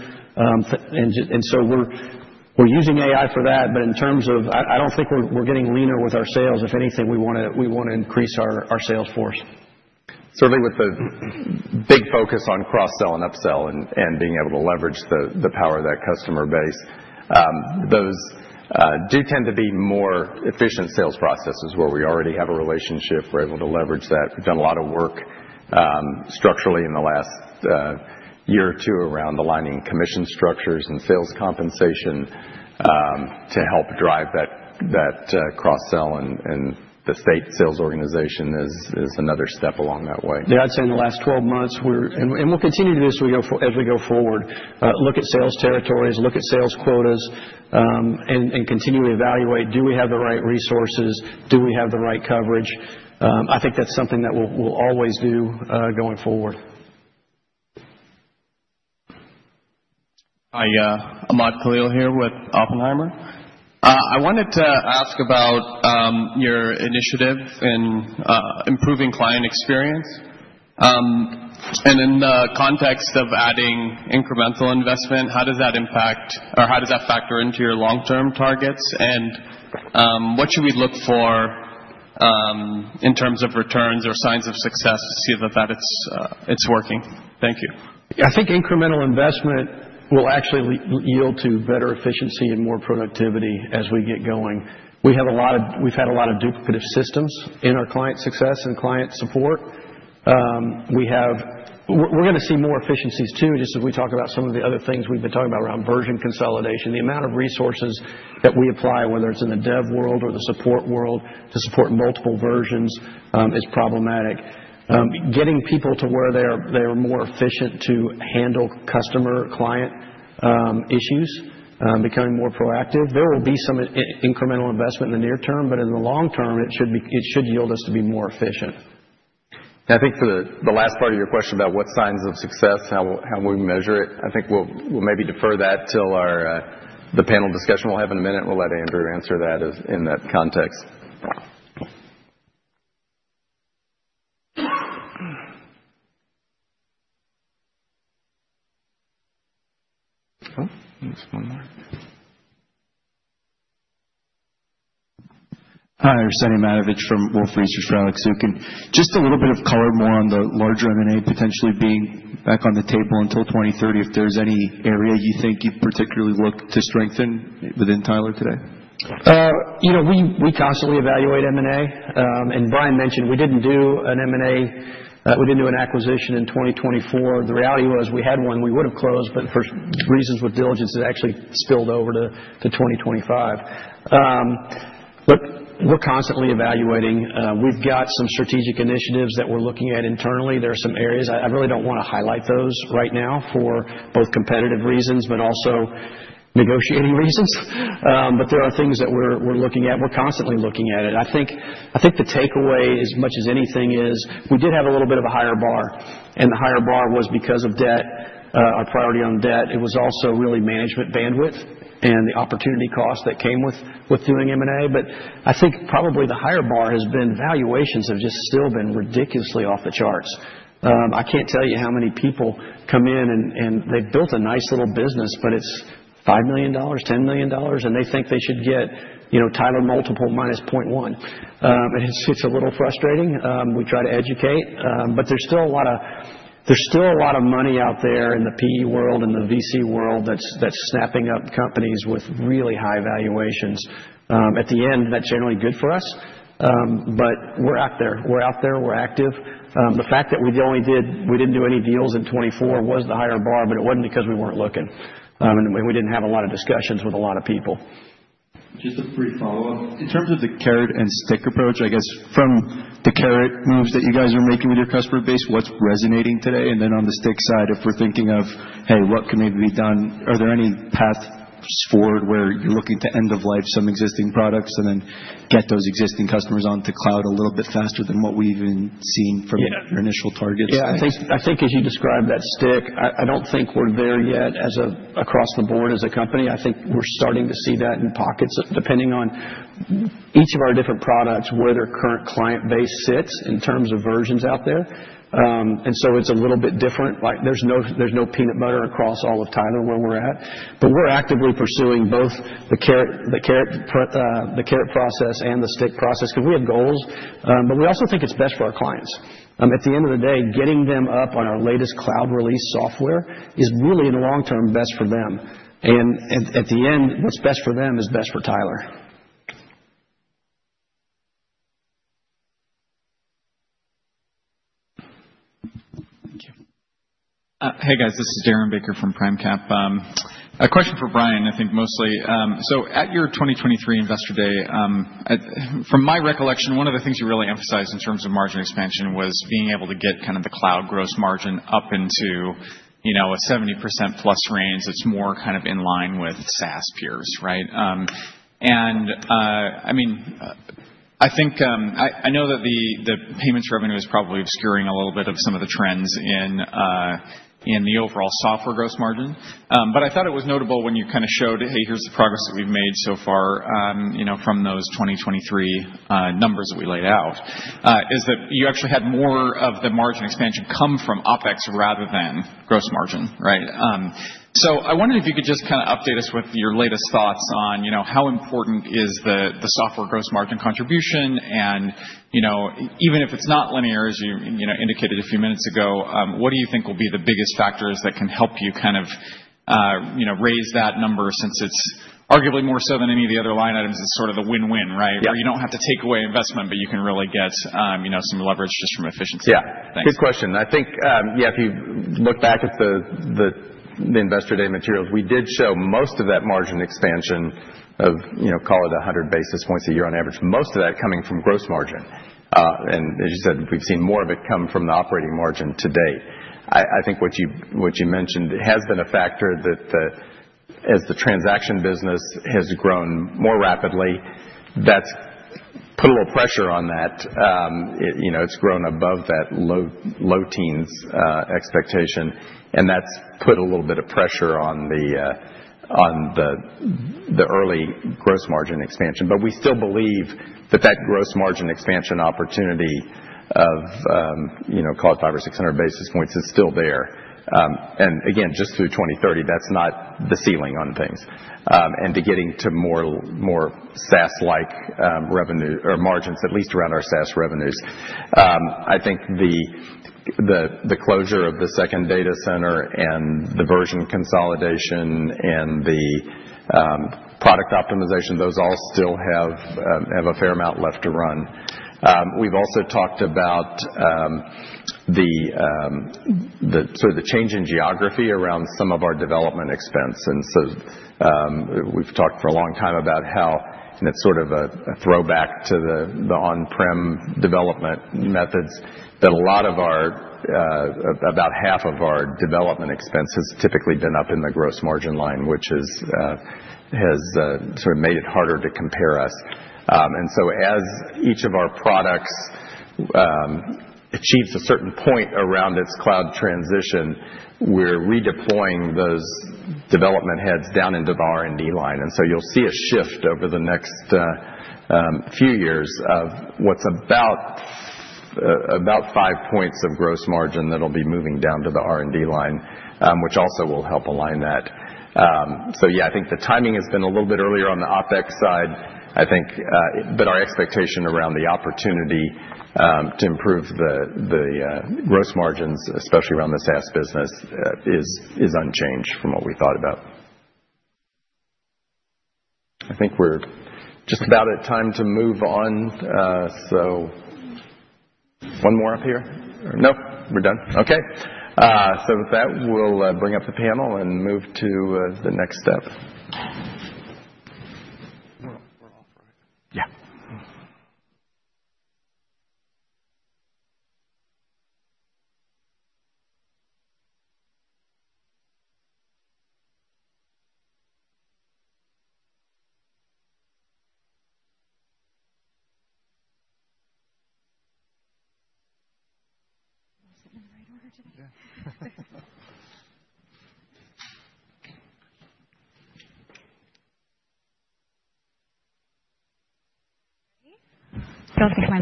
We are using AI for that. In terms of I don't think we're getting leaner with our sales. If anything, we want to increase our Salesforce. Certainly with the big focus on cross-sell and up-sell and being able to leverage the power of that customer base, those do tend to be more efficient sales processes where we already have a relationship. We're able to leverage that. We've done a lot of work structurally in the last year or two around aligning commission structures and sales compensation to help drive that cross-sell. The state sales organization is another step along that way. Yeah, I'd say in the last 12 months, and we'll continue to do this as we go forward, look at sales territories, look at sales quotas, and continually evaluate. Do we have the right resources? Do we have the right coverage? I think that's something that we'll always do going forward. Hi, Ahmad Khalil here with Oppenheimer. I wanted to ask about your initiative in improving client experience. In the context of adding incremental investment, how does that impact or how does that factor into your long-term targets? What should we look for in terms of returns or signs of success to see that it's working? Thank you. I think incremental investment will actually yield to better efficiency and more productivity as we get going. We have had a lot of duplicative systems in our client success and client support. We're going to see more efficiencies too, just as we talk about some of the other things we've been talking about around version consolidation. The amount of resources that we apply, whether it's in the dev world or the support world, to support multiple versions is problematic. Getting people to where they are more efficient to handle customer-client issues, becoming more proactive. There will be some incremental investment in the near term, but in the long term, it should yield us to be more efficient. Yeah, I think for the last part of your question about what signs of success, how we measure it, I think we'll maybe defer that till the panel discussion we'll have in a minute. We'll let Andrew answer that in that context. Oh, there's one more. Hi, Arsenije Matovic from Wolfe Research. Just a little bit of color more on the larger M&A potentially being back on the table until 2030, if there's any area you think you'd particularly look to strengthen within Tyler today. We constantly evaluate M&A. Brian mentioned we didn't do an M&A, we didn't do an acquisition in 2024. The reality was we had one, we would have closed, but for reasons with diligence, it actually spilled over to 2025. We're constantly evaluating. We've got some strategic initiatives that we're looking at internally. There are some areas I really don't want to highlight those right now for both competitive reasons but also negotiating reasons. But there are things that we're looking at. We're constantly looking at it. I think the takeaway, as much as anything, is we did have a little bit of a higher bar. And the higher bar was because of debt, our priority on debt. It was also really management bandwidth and the opportunity cost that came with doing M&A. But I think probably the higher bar has been valuations have just still been ridiculously off the charts. I can't tell you how many people come in, and they've built a nice little business, but it's $5 million, $10 million, and they think they should get Tyler multiple minus 0.1. And it's a little frustrating. We try to educate, but there's still a lot of money out there in the PE world and the VC world that's snapping up companies with really high valuations. At the end, that's generally good for us. We're out there. We're out there. We're active. The fact that we didn't do any deals in 2024 was the higher bar, but it wasn't because we weren't looking. We didn't have a lot of discussions with a lot of people. Just a brief follow-up. In terms of the carrot and stick approach, I guess, from the carrot moves that you guys are making with your customer base, what's resonating today? On the stick side, if we're thinking of, "Hey, what can maybe be done?" Are there any paths forward where you're looking to end of life some existing products and then get those existing customers onto cloud a little bit faster than what we've even seen from your initial targets? Yeah. I think as you describe that stick, I don't think we're there yet across the board as a company. I think we're starting to see that in pockets, depending on each of our different products, where their current client base sits in terms of versions out there. It's a little bit different. There's no peanut butter across all of Tyler where we're at. We're actively pursuing both the carrot process and the stick process because we have goals. We also think it's best for our clients. At the end of the day, getting them up on our latest cloud-released software is really, in the long term, best for them. And at the end, what's best for them is best for Tyler. Thank you. Hey, guys. This is Darren Baker from PrimeCap. A question for Brian, I think, mostly. So at your 2023 Investor Day, from my recollection, one of the things you really emphasized in terms of margin expansion was being able to get kind of the cloud gross margin up into a 70% plus range. It's more kind of in line with SaaS peers, right? And I mean, I know that the payments revenue is probably obscuring a little bit of some of the trends in the overall software gross margin. I thought it was notable when you kind of showed, "Hey, here's the progress that we've made so far from those 2023 numbers that we laid out," is that you actually had more of the margin expansion come from OpEx rather than gross margin, right? I wondered if you could just kind of update us with your latest thoughts on how important is the software gross margin contribution. Even if it's not linear, as you indicated a few minutes ago, what do you think will be the biggest factors that can help you kind of raise that number since it's arguably more so than any of the other line items? It's sort of the win-win, right? Where you don't have to take away investment, but you can really get some leverage just from efficiency. Yeah. Good question. I think, yeah, if you look back at the Investor Day materials, we did show most of that margin expansion of, call it, 100 basis points a year on average, most of that coming from gross margin. As you said, we've seen more of it come from the operating margin to date. I think what you mentioned has been a factor that as the transaction business has grown more rapidly, that's put a little pressure on that. It's grown above that low teens expectation, and that's put a little bit of pressure on the early gross margin expansion. We still believe that that gross margin expansion opportunity of, call it, 500 or 600 basis points is still there. Again, just through 2030, that's not the ceiling on things. To getting to more SaaS-like revenue or margins, at least around our SaaS revenues, I think the closure of the second data center and the version consolidation and the product optimization, those all still have a fair amount left to run. We have also talked about sort of the change in geography around some of our development expense. We have talked for a long time about how, and it is sort of a throwback to the on-prem development methods, that about half of our development expense has typically been up in the gross margin line, which has sort of made it harder to compare us. As each of our products achieves a certain point around its cloud transition, we are redeploying those development heads down into the R&D line. You'll see a shift over the next few years of what's about five percentage points of gross margin that'll be moving down to the R&D line, which also will help align that. Yeah, I think the timing has been a little bit earlier on the OpEx side, I think, but our expectation around the opportunity to improve the gross margins, especially around the SaaS business, is unchanged from what we thought about. I think we're just about at time to move on. One more up here? No? We're done? Okay. With that, we'll bring up the panel and move to the next step.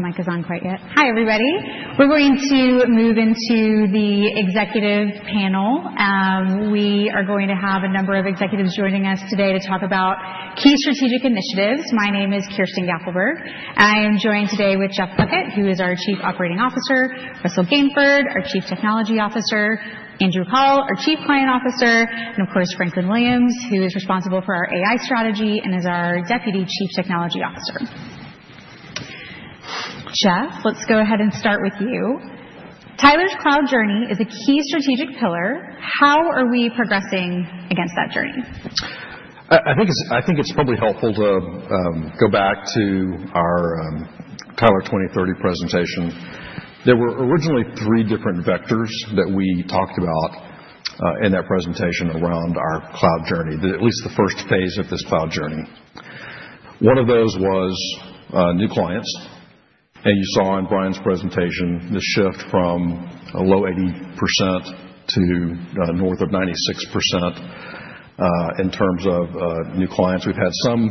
Yeah. I don't think my mic is on quite yet. Hi, everybody. We're going to move into the executive panel. We are going to have a number of executives joining us today to talk about key strategic initiatives. My name is Kirsten Gaffelberg. I am joined today with Jeff Puckett, who is our Chief Operating Officer, Russell Gainford, our Chief Technology Officer, Andrew Call, our Chief Client Officer, and of course, Franklin Williams, who is responsible for our AI strategy and is our Deputy Chief Technology Officer. Jeff, let's go ahead and start with you. Tyler's cloud journey is a key strategic pillar. How are we progressing against that journey? I think it's probably helpful to go back to our Tyler 2030 presentation. There were originally three different vectors that we talked about in that presentation around our cloud journey, at least the first phase of this cloud journey. One of those was new clients. You saw in Brian's presentation the shift from a low 80% to north of 96% in terms of new clients. We've had some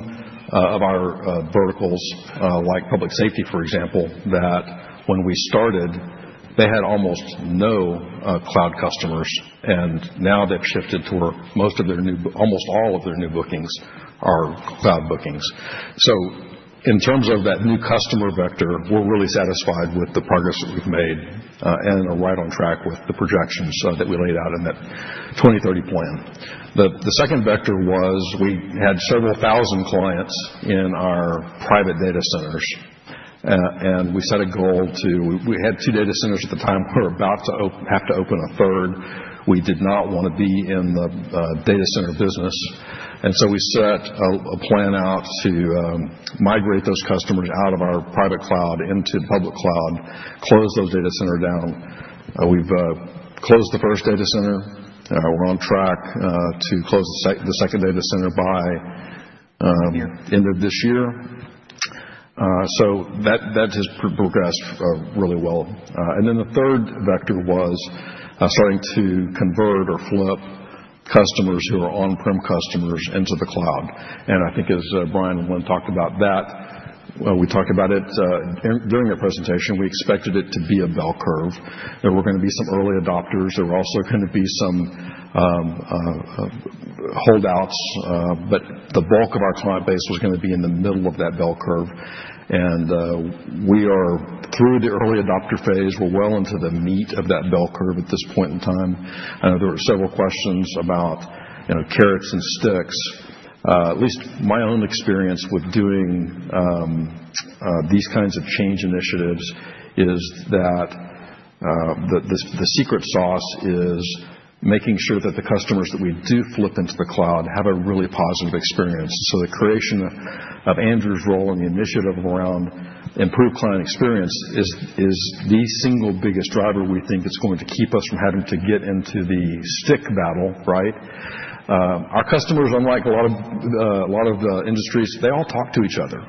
of our verticals, like public safety, for example, that when we started, they had almost no cloud customers. Now they've shifted to where most of their new, almost all of their new bookings are cloud bookings. In terms of that new customer vector, we're really satisfied with the progress that we've made and are right on track with the projections that we laid out in that 2030 plan. The second vector was we had several thousand clients in our private data centers. We set a goal to we had two data centers at the time. We were about to have to open a third. We did not want to be in the data center business. We set a plan out to migrate those customers out of our private cloud into the Public Cloud, close those data centers down. We have closed the first data center. We are on track to close the second data center by end of this year. That has progressed really well. The third vector was starting to convert or flip customers who are on-prem customers into the cloud. I think, as Brian and Lynn talked about that, we talked about it during the presentation. We expected it to be a bell curve. There were going to be some early adopters. There were also going to be some holdouts. The bulk of our client base was going to be in the middle of that bell curve. We are, through the early adopter phase, well into the meat of that bell curve at this point in time. I know there were several questions about carrots and sticks. At least my own experience with doing these kinds of change initiatives is that the secret sauce is making sure that the customers that we do flip into the cloud have a really positive experience. The creation of Andrew's role and the initiative around improved client experience is the single biggest driver we think is going to keep us from having to get into the stick battle, right? Our customers, unlike a lot of industries, all talk to each other.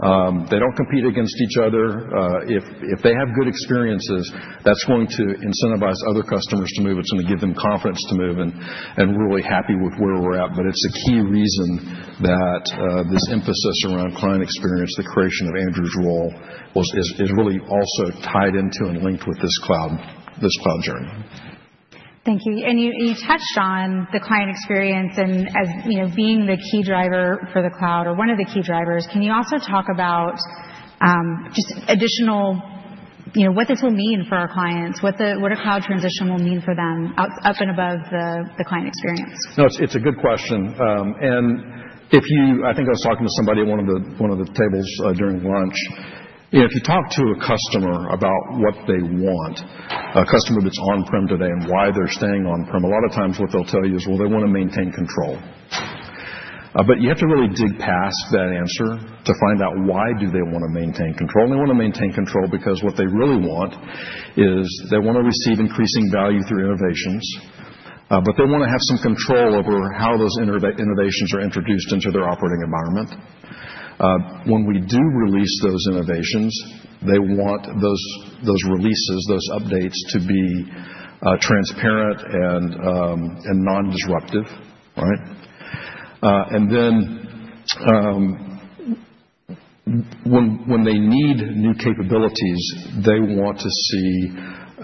They do not compete against each other. If they have good experiences, that is going to incentivize other customers to move. It is going to give them confidence to move and really happy with where we are at. It is a key reason that this emphasis around client experience, the creation of Andrew's role, is really also tied into and linked with this cloud journey. Thank you. You touched on the client experience as being the key driver for the cloud or one of the key drivers. Can you also talk about just additional what this will mean for our clients, what a cloud transition will mean for them up and above the client experience? No, it is a good question. I think I was talking to somebody at one of the tables during lunch. If you talk to a customer about what they want, a customer that's on-prem today and why they're staying on-prem, a lot of times what they'll tell you is, "Well, they want to maintain control." You have to really dig past that answer to find out why do they want to maintain control. They want to maintain control because what they really want is they want to receive increasing value through innovations. They want to have some control over how those innovations are introduced into their operating environment. When we do release those innovations, they want those releases, those updates to be transparent and non-disruptive, right? When they need new capabilities, they want to see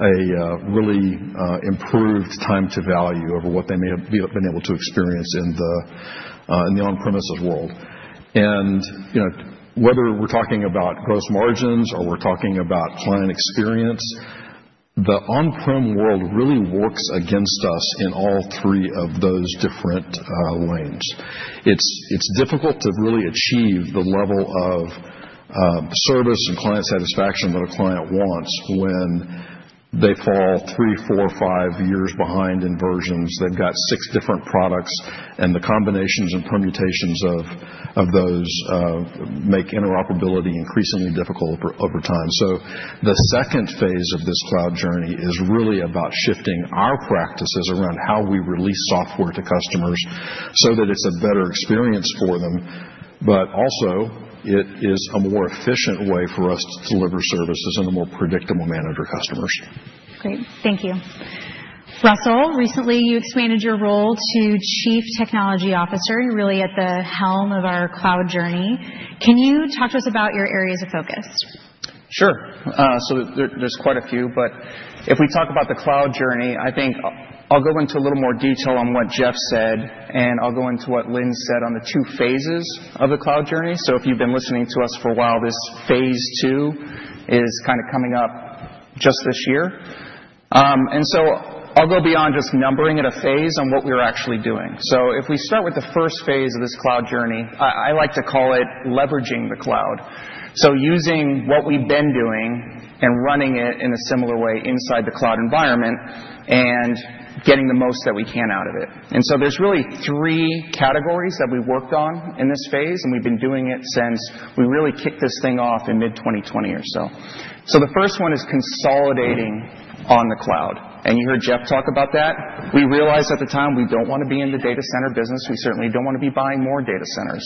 a really improved time to value over what they may have been able to experience in the on-premises world. Whether we're talking about gross margins or we're talking about client experience, the on-prem world really works against us in all three of those different lanes. It's difficult to really achieve the level of service and client satisfaction that a client wants when they fall three, four, five years behind in versions. They've got six different products, and the combinations and permutations of those make interoperability increasingly difficult over time. The second phase of this cloud journey is really about shifting our practices around how we release software to customers so that it's a better experience for them, but also it is a more efficient way for us to deliver services and a more predictable manager to customers. Great. Thank you. Russell, recently you expanded your role to Chief Technology Officer, really at the helm of our cloud journey. Can you talk to us about your areas of focus? Sure. So there's quite a few. If we talk about the cloud journey, I think I'll go into a little more detail on what Jeff said, and I'll go into what Lynn said on the two phases of the cloud journey. If you've been listening to us for a while, this phase two is kind of coming up just this year. I'll go beyond just numbering it a phase on what we're actually doing. If we start with the first phase of this cloud journey, I like to call it leveraging the cloud. Using what we've been doing and running it in a similar way inside the cloud environment and getting the most that we can out of it. There are really three categories that we've worked on in this phase, and we've been doing it since we really kicked this thing off in mid-2020 or so. The first one is consolidating on the cloud. You heard Jeff talk about that. We realized at the time we don't want to be in the data center business. We certainly don't want to be buying more data centers.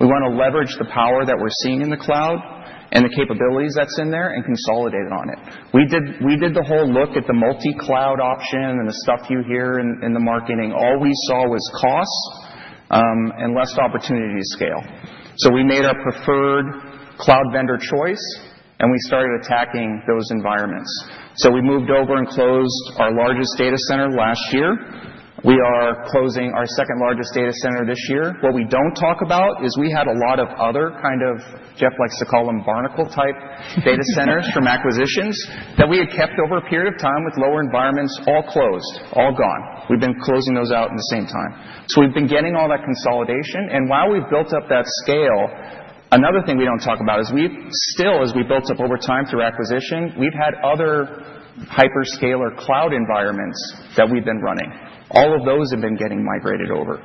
We want to leverage the power that we're seeing in the cloud and the capabilities that's in there and consolidate on it. We did the whole look at the multi-cloud option and the stuff you hear in the marketing. All we saw was cost and less opportunity to scale. We made our preferred cloud vendor choice, and we started attacking those environments. We moved over and closed our largest data center last year. We are closing our second largest data center this year. What we do not talk about is we had a lot of other, kind of, Jeff likes to call them barnacle-type data centers from acquisitions that we had kept over a period of time with lower environments all closed, all gone. We have been closing those out at the same time. We have been getting all that consolidation. While we have built up that scale, another thing we do not talk about is we have still, as we built up over time through acquisition, we have had other hyperscaler cloud environments that we have been running. All of those have been getting migrated over.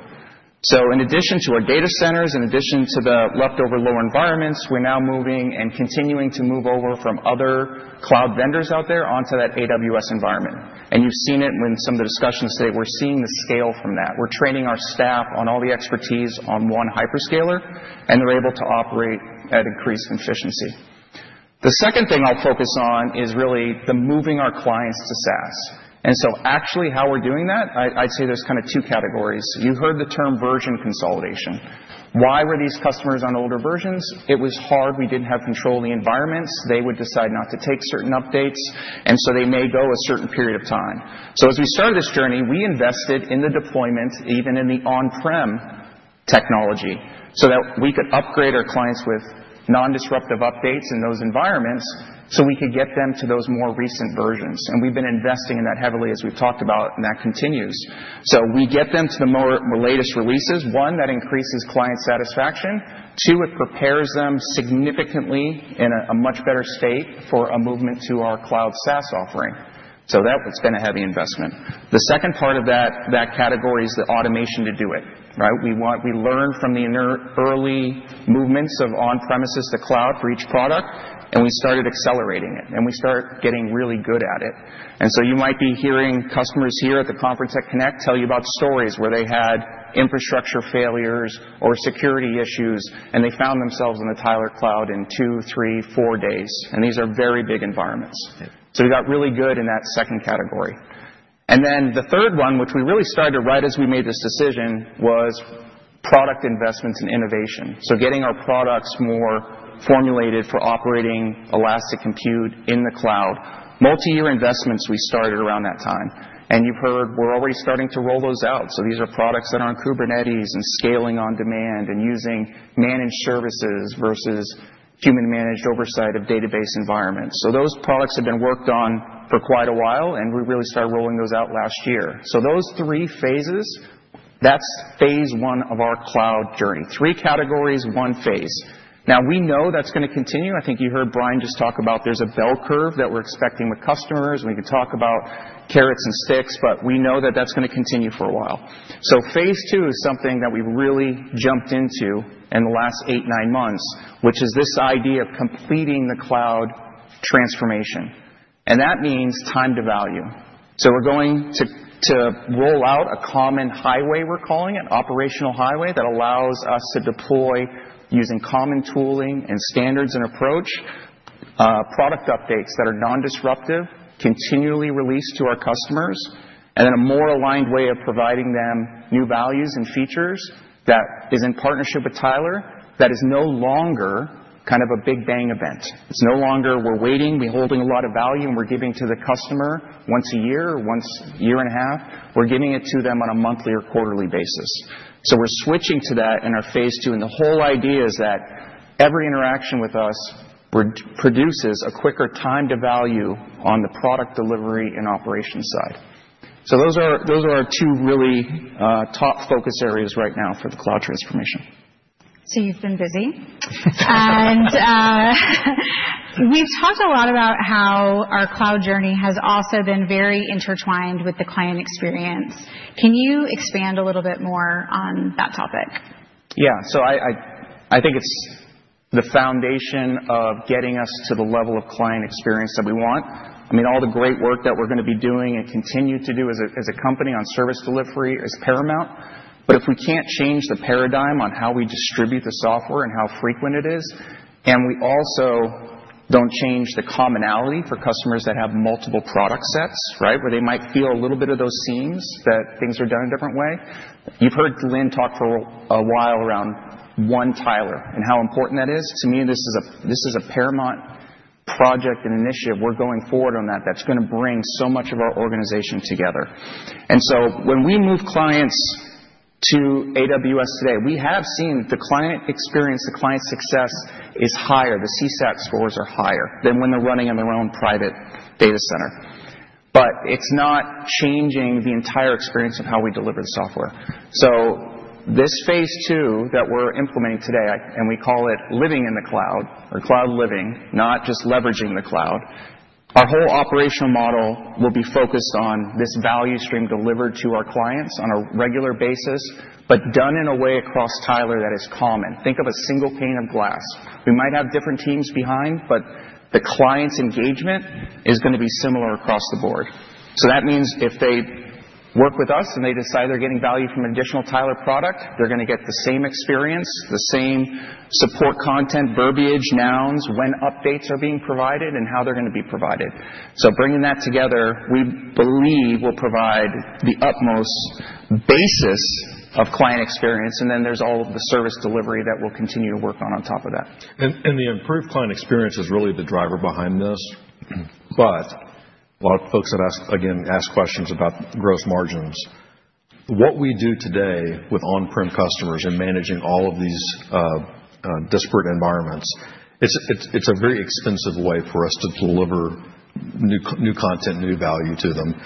In addition to our data centers, in addition to the leftover lower environments, we are now moving and continuing to move over from other cloud vendors out there onto that AWS environment. You have seen it when some of the discussions today. We're seeing the scale from that. We're training our staff on all the expertise on one hyperscaler, and they're able to operate at increased efficiency. The second thing I'll focus on is really the moving our clients to SaaS. Actually, how we're doing that, I'd say there's kind of two categories. You heard the term version consolidation. Why were these customers on older versions? It was hard. We didn't have control of the environments. They would decide not to take certain updates, and they may go a certain period of time. As we started this journey, we invested in the deployment, even in the on-prem technology, so that we could upgrade our clients with non-disruptive updates in those environments so we could get them to those more recent versions. We've been investing in that heavily, as we've talked about, and that continues. We get them to the latest releases. One, that increases client satisfaction. Two, it prepares them significantly in a much better state for a movement to our cloud SaaS offering. That has been a heavy investment. The second part of that category is the automation to do it, right? We learned from the early movements of on-premises to cloud for each product, and we started accelerating it, and we started getting really good at it. You might be hearing customers here at the Conference at Connect tell you about stories where they had infrastructure failures or security issues, and they found themselves in the Tyler cloud in two, three, four days. These are very big environments. We got really good in that second category. The third one, which we really started to write as we made this decision, was product investments and innovation. Getting our products more formulated for operating elastic compute in the cloud. Multi-year investments we started around that time. You have heard we are already starting to roll those out. These are products that are on Kubernetes and scaling on demand and using managed services versus human-managed oversight of database environments. Those products have been worked on for quite a while, and we really started rolling those out last year. Those three phases, that is phase one of our cloud journey. Three categories, one phase. Now we know that is going to continue. I think you heard Brian just talk about there is a bell curve that we are expecting with customers. We can talk about carrots and sticks, but we know that is going to continue for a while. Phase two is something that we've really jumped into in the last eight, nine months, which is this idea of completing the cloud transformation. That means time to value. We're going to roll out a common highway, we're calling it, operational highway that allows us to deploy using common tooling and standards and approach, product updates that are non-disruptive, continually released to our customers, and then a more aligned way of providing them new values and features that is in partnership with Tyler that is no longer kind of a big bang event. It's no longer we're waiting, we're holding a lot of value, and we're giving to the customer once a year or once a year and a half. We're giving it to them on a monthly or quarterly basis. We're switching to that in our phase two. The whole idea is that every interaction with us produces a quicker time to value on the product delivery and operation side. Those are our two really top focus areas right now for the cloud transformation. You have been busy. We have talked a lot about how our cloud journey has also been very intertwined with the client experience. Can you expand a little bit more on that topic? Yeah. I think it is the foundation of getting us to the level of client experience that we want. I mean, all the great work that we are going to be doing and continue to do as a company on service delivery is paramount. If we can't change the paradigm on how we distribute the software and how frequent it is, and we also don't change the commonality for customers that have multiple product sets, right, where they might feel a little bit of those seams that things are done a different way. You've heard Lynn talk for a while around one Tyler and how important that is. To me, this is a paramount project and initiative. We're going forward on that. That's going to bring so much of our organization together. When we move clients to AWS today, we have seen the client experience, the client success is higher. The CSAT scores are higher than when they're running in their own private data center. It's not changing the entire experience of how we deliver the software. This phase two that we're implementing today, and we call it living in the cloud or cloud living, not just leveraging the cloud, our whole operational model will be focused on this value stream delivered to our clients on a regular basis, but done in a way across Tyler that is common. Think of a single pane of glass. We might have different teams behind, but the client's engagement is going to be similar across the board. That means if they work with us and they decide they're getting value from an additional Tyler product, they're going to get the same experience, the same support content, verbiage, nouns, when updates are being provided, and how they're going to be provided. Bringing that together, we believe will provide the utmost basis of client experience. There is all of the service delivery that we will continue to work on on top of that. The improved client experience is really the driver behind this. A lot of folks have asked, again, asked questions about gross margins. What we do today with on-prem customers and managing all of these disparate environments, it is a very expensive way for us to deliver new content, new value to them.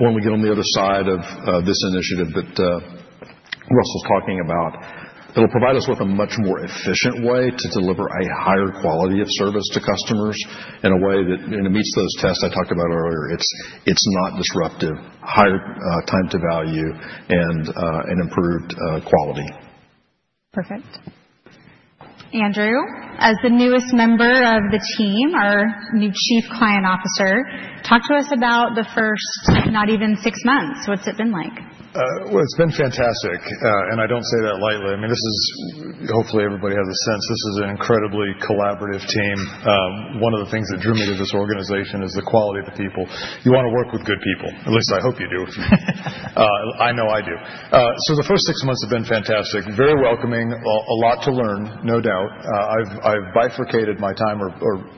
When we get on the other side of this initiative that Russell is talking about, it will provide us with a much more efficient way to deliver a higher quality of service to customers in a way that meets those tests I talked about earlier. It is not disruptive, higher time to value, and improved quality. Perfect. Andrew, as the newest member of the team, our new Chief Client Officer, talk to us about the first not even six months. What's it been like? It’s been fantastic. I don't say that lightly. I mean, this is hopefully everybody has a sense. This is an incredibly collaborative team. One of the things that drew me to this organization is the quality of the people. You want to work with good people. At least I hope you do. I know I do. The first six months have been fantastic. Very welcoming. A lot to learn, no doubt. I've bifurcated my time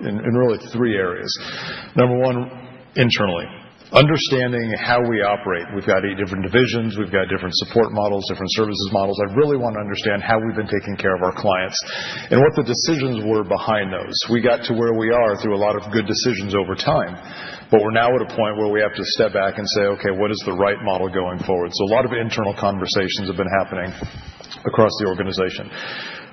in really three areas. Number one, internally. Understanding how we operate. We've got eight different divisions. We've got different support models, different services models. I really want to understand how we've been taking care of our clients and what the decisions were behind those. We got to where we are through a lot of good decisions over time. We're now at a point where we have to step back and say, "Okay, what is the right model going forward?" A lot of internal conversations have been happening across the organization.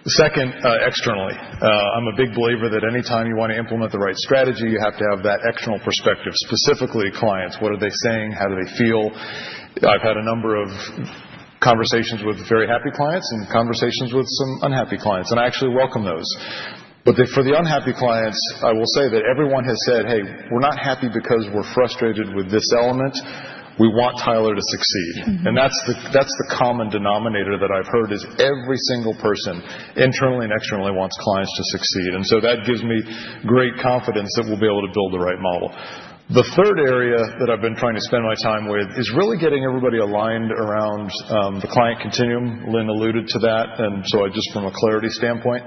Second, externally. I'm a big believer that anytime you want to implement the right strategy, you have to have that external perspective, specifically clients. What are they saying? How do they feel? I've had a number of conversations with very happy clients and conversations with some unhappy clients. I actually welcome those. For the unhappy clients, I will say that everyone has said, "Hey, we're not happy because we're frustrated with this element. We want Tyler to succeed." That is the common denominator that I've heard. Every single person internally and externally wants clients to succeed. That gives me great confidence that we'll be able to build the right model. The third area that I've been trying to spend my time with is really getting everybody aligned around the client continuum. Lynn alluded to that. Just from a clarity standpoint,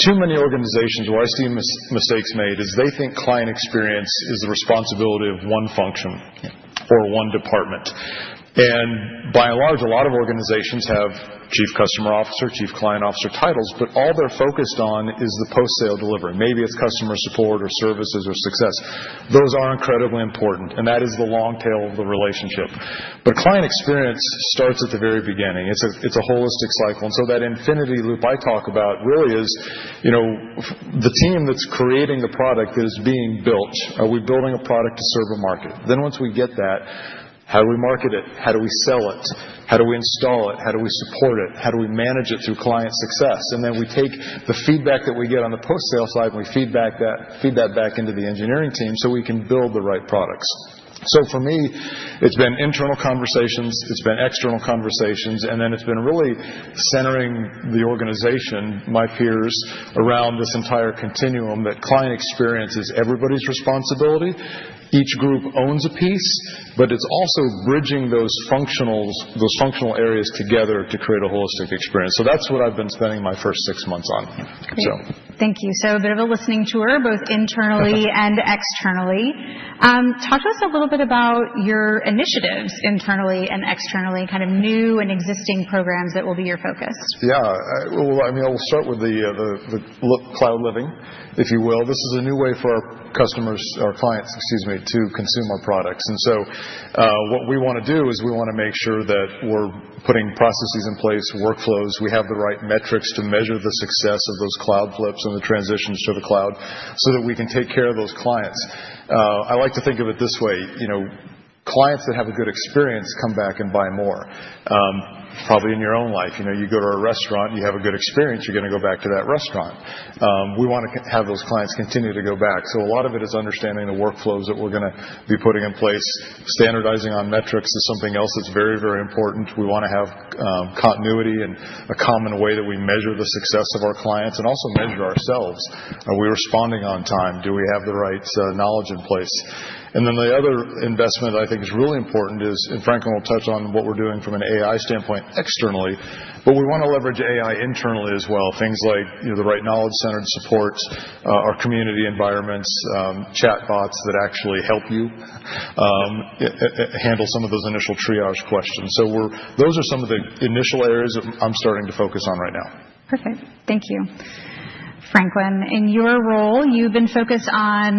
too many organizations where I see mistakes made is they think client experience is the responsibility of one function or one department. By and large, a lot of organizations have Chief Customer Officer, Chief Client Officer titles, but all they're focused on is the post-sale delivery. Maybe it's customer support or services or success. Those are incredibly important. That is the long tail of the relationship. Client experience starts at the very beginning. It's a holistic cycle. That infinity loop I talk about really is the team that's creating the product that is being built. Are we building a product to serve a market? Once we get that, how do we market it? How do we sell it? How do we install it? How do we support it? How do we manage it through client success? We take the feedback that we get on the post-sale side and we feed that back into the engineering team so we can build the right products. For me, it's been internal conversations. It's been external conversations. It's been really centering the organization, my peers, around this entire continuum that client experience is everybody's responsibility. Each group owns a piece, but it's also bridging those functional areas together to create a holistic experience. That's what I've been spending my first six months on. Great. Thank you. A bit of a listening tour, both internally and externally. Talk to us a little bit about your initiatives internally and externally, kind of new and existing programs that will be your focus. Yeah. I mean, I will start with the cloud living, if you will. This is a new way for our customers, our clients, excuse me, to consume our products. What we want to do is we want to make sure that we're putting processes in place, workflows. We have the right metrics to measure the success of those cloud flips and the transitions to the cloud so that we can take care of those clients. I like to think of it this way. Clients that have a good experience come back and buy more. Probably in your own life. You go to a restaurant, you have a good experience. You're going to go back to that restaurant. We want to have those clients continue to go back. A lot of it is understanding the workflows that we're going to be putting in place. Standardizing on metrics is something else that's very, very important. We want to have continuity and a common way that we measure the success of our clients and also measure ourselves. Are we responding on time? Do we have the right knowledge in place? The other investment I think is really important is, and Franklin will touch on what we're doing from an AI standpoint externally, but we want to leverage AI internally as well. Things like the right knowledge-centered supports, our community environments, chatbots that actually help you handle some of those initial triage questions. Those are some of the initial areas I'm starting to focus on right now. Perfect. Thank you. Franklin, in your role, you've been focused on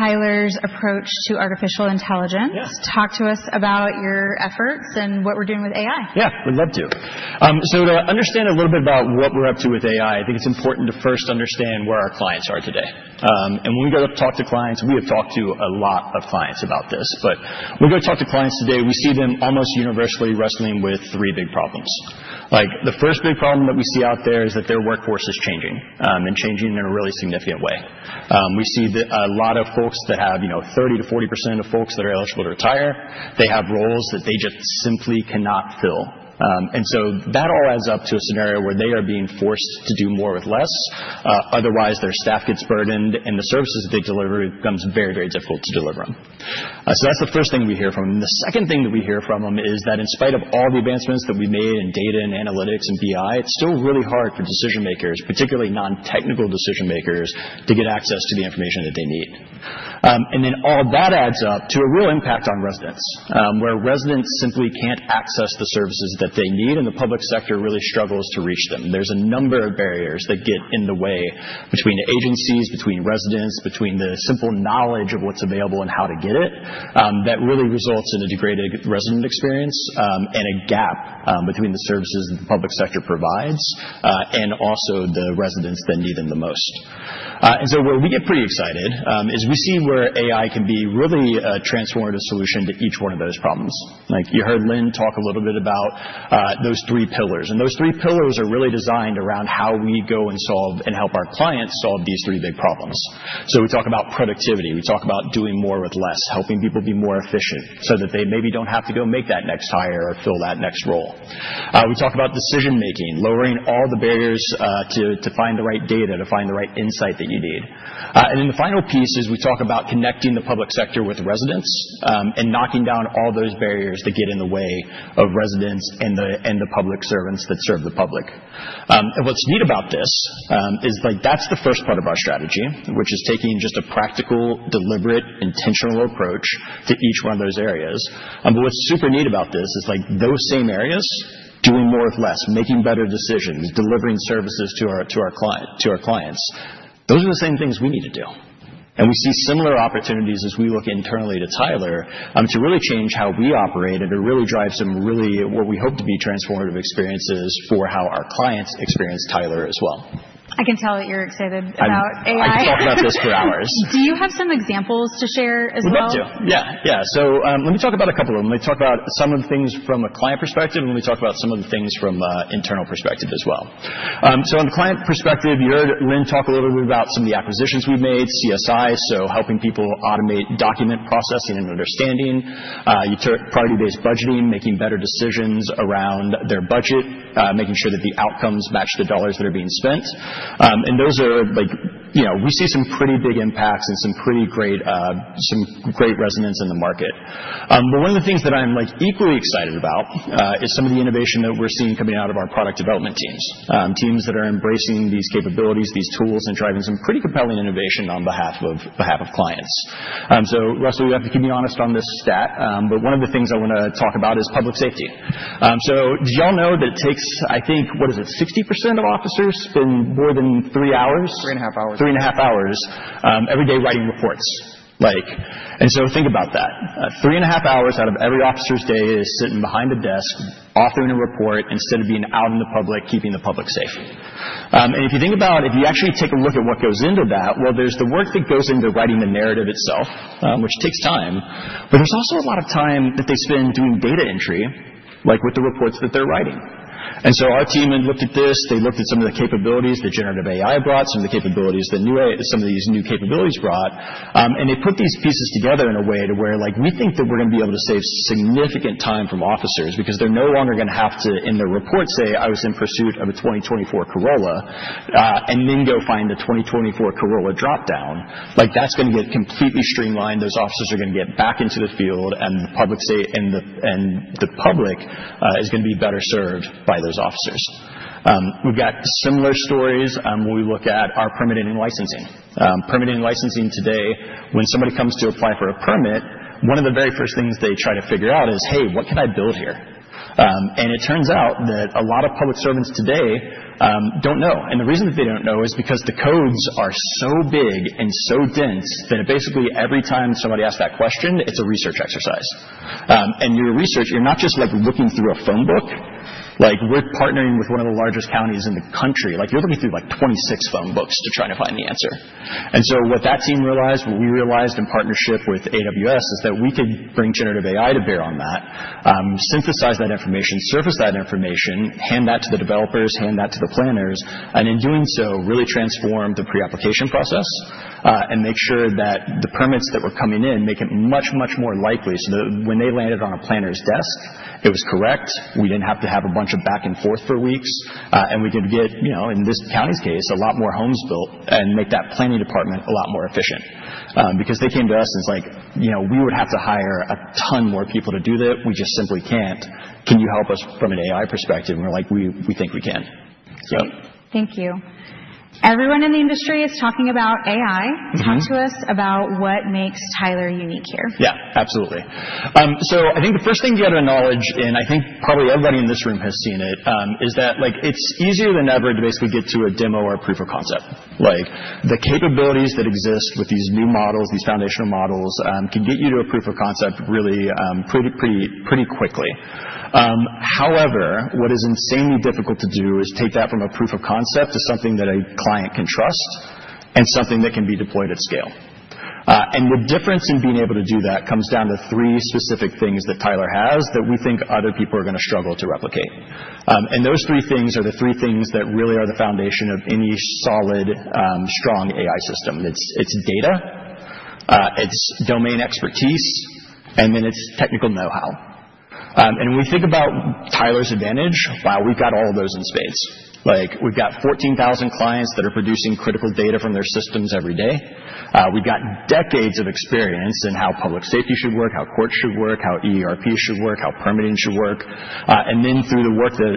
Tyler's approach to artificial intelligence. Talk to us about your efforts and what we're doing with AI. Yeah. We'd love to. To understand a little bit about what we're up to with AI, I think it's important to first understand where our clients are today. When we go to talk to clients, we have talked to a lot of clients about this. When we go talk to clients today, we see them almost universally wrestling with three big problems. The first big problem that we see out there is that their workforce is changing and changing in a really significant way. We see a lot of folks that have 30%-40% of folks that are eligible to retire. They have roles that they just simply cannot fill. That all adds up to a scenario where they are being forced to do more with less. Otherwise, their staff gets burdened, and the services that they deliver become very, very difficult to deliver. That is the first thing we hear from them. The second thing that we hear from them is that in spite of all the advancements that we made in data and analytics and BI, it is still really hard for decision-makers, particularly non-technical decision-makers, to get access to the information that they need. All that adds up to a real impact on residents, where residents simply cannot access the services that they need, and the public sector really struggles to reach them. are a number of barriers that get in the way between the agencies, between residents, between the simple knowledge of what is available and how to get it that really results in a degraded resident experience and a gap between the services that the public sector provides and also the residents that need them the most. Where we get pretty excited is we see where AI can be really a transformative solution to each one of those problems. You heard Lynn talk a little bit about those three pillars. Those three pillars are really designed around how we go and solve and help our clients solve these three big problems. We talk about productivity. We talk about doing more with less, helping people be more efficient so that they maybe do not have to go make that next hire or fill that next role. We talk about decision-making, lowering all the barriers to find the right data, to find the right insight that you need. The final piece is we talk about connecting the public sector with residents and knocking down all those barriers that get in the way of residents and the public servants that serve the public. What is neat about this is that is the first part of our strategy, which is taking just a practical, deliberate, intentional approach to each one of those areas. What is super neat about this is those same areas, doing more with less, making better decisions, delivering services to our clients, those are the same things we need to do. We see similar opportunities as we look internally to Tyler to really change how we operate and to really drive some really what we hope to be transformative experiences for how our clients experience Tyler as well. I can tell that you're excited about AI. I could talk about this for hours. Do you have some examples to share as well? We'd love to. Yeah. Yeah. Let me talk about a couple of them. Let me talk about some of the things from a client perspective, and let me talk about some of the things from an internal perspective as well. On the client perspective, you heard Lynn talk a little bit about some of the acquisitions we've made, CSI, so helping people automate document processing and understanding, priority-based budgeting, making better decisions around their budget, making sure that the outcomes match the dollars that are being spent. Those are, we see, some pretty big impacts and some great resonance in the market. One of the things that I'm equally excited about is some of the innovation that we're seeing coming out of our product development teams, teams that are embracing these capabilities, these tools, and driving some pretty compelling innovation on behalf of clients. Russell, you have to keep me honest on this stat. One of the things I want to talk about is public safety. Did y'all know that it takes, I think, what is it, 60% of officers spend more than three hours? Three and a half hours. Three and a half hours every day writing reports. Think about that. Three and a half hours out of every officer's day is sitting behind a desk authoring a report instead of being out in the public keeping the public safe. If you think about if you actually take a look at what goes into that, well, there's the work that goes into writing the narrative itself, which takes time. There's also a lot of time that they spend doing data entry, like with the reports that they're writing. Our team had looked at this. They looked at some of the capabilities that generative AI brought, some of the capabilities that some of these new capabilities brought. They put these pieces together in a way to where we think that we're going to be able to save significant time from officers because they're no longer going to have to, in their report, say, "I was in pursuit of a 2024 Corolla," and then go find the 2024 Corolla dropdown. That's going to get completely streamlined. Those officers are going to get back into the field, and the public is going to be better served by those officers. We've got similar stories when we look at our permitting and licensing. Permitting and licensing today, when somebody comes to apply for a permit, one of the very first things they try to figure out is, "Hey, what can I build here?" It turns out that a lot of public servants today don't know. The reason that they do not know is because the codes are so big and so dense that basically every time somebody asks that question, it is a research exercise. In your research, you are not just looking through a phone book. We are partnering with one of the largest counties in the country. You are looking through 26 phone books to try to find the answer. What that team realized, what we realized in partnership with AWS, is that we could bring generative AI to bear on that, synthesize that information, surface that information, hand that to the developers, hand that to the planners, and in doing so, really transform the pre-application process and make sure that the permits that were coming in make it much, much more likely so that when they landed on a planner's desk, it was correct. We did not have to have a bunch of back and forth for weeks. We did get, in this county's case, a lot more homes built and make that planning department a lot more efficient. They came to us and said, "We would have to hire a ton more people to do that. We just simply cannot. Can you help us from an AI perspective?" We said, "We think we can." Great. Thank you. Everyone in the industry is talking about AI. Talk to us about what makes Tyler unique here. Yeah. Absolutely. I think the first thing you have to acknowledge, and I think probably everybody in this room has seen it, is that it is easier than ever to basically get to a demo or a proof of concept. The capabilities that exist with these new models, these foundational models, can get you to a proof of concept really pretty quickly. However, what is insanely difficult to do is take that from a proof of concept to something that a client can trust and something that can be deployed at scale. The difference in being able to do that comes down to three specific things that Tyler has that we think other people are going to struggle to replicate. Those three things are the three things that really are the foundation of any solid, strong AI system. It's data, it's domain expertise, and then it's technical know-how. When we think about Tyler's advantage, wow, we've got all those in spades. We've got 14,000 clients that are producing critical data from their systems every day. We've got decades of experience in how public safety should work, how courts should work, how ERPs should work, how permitting should work. Through the work that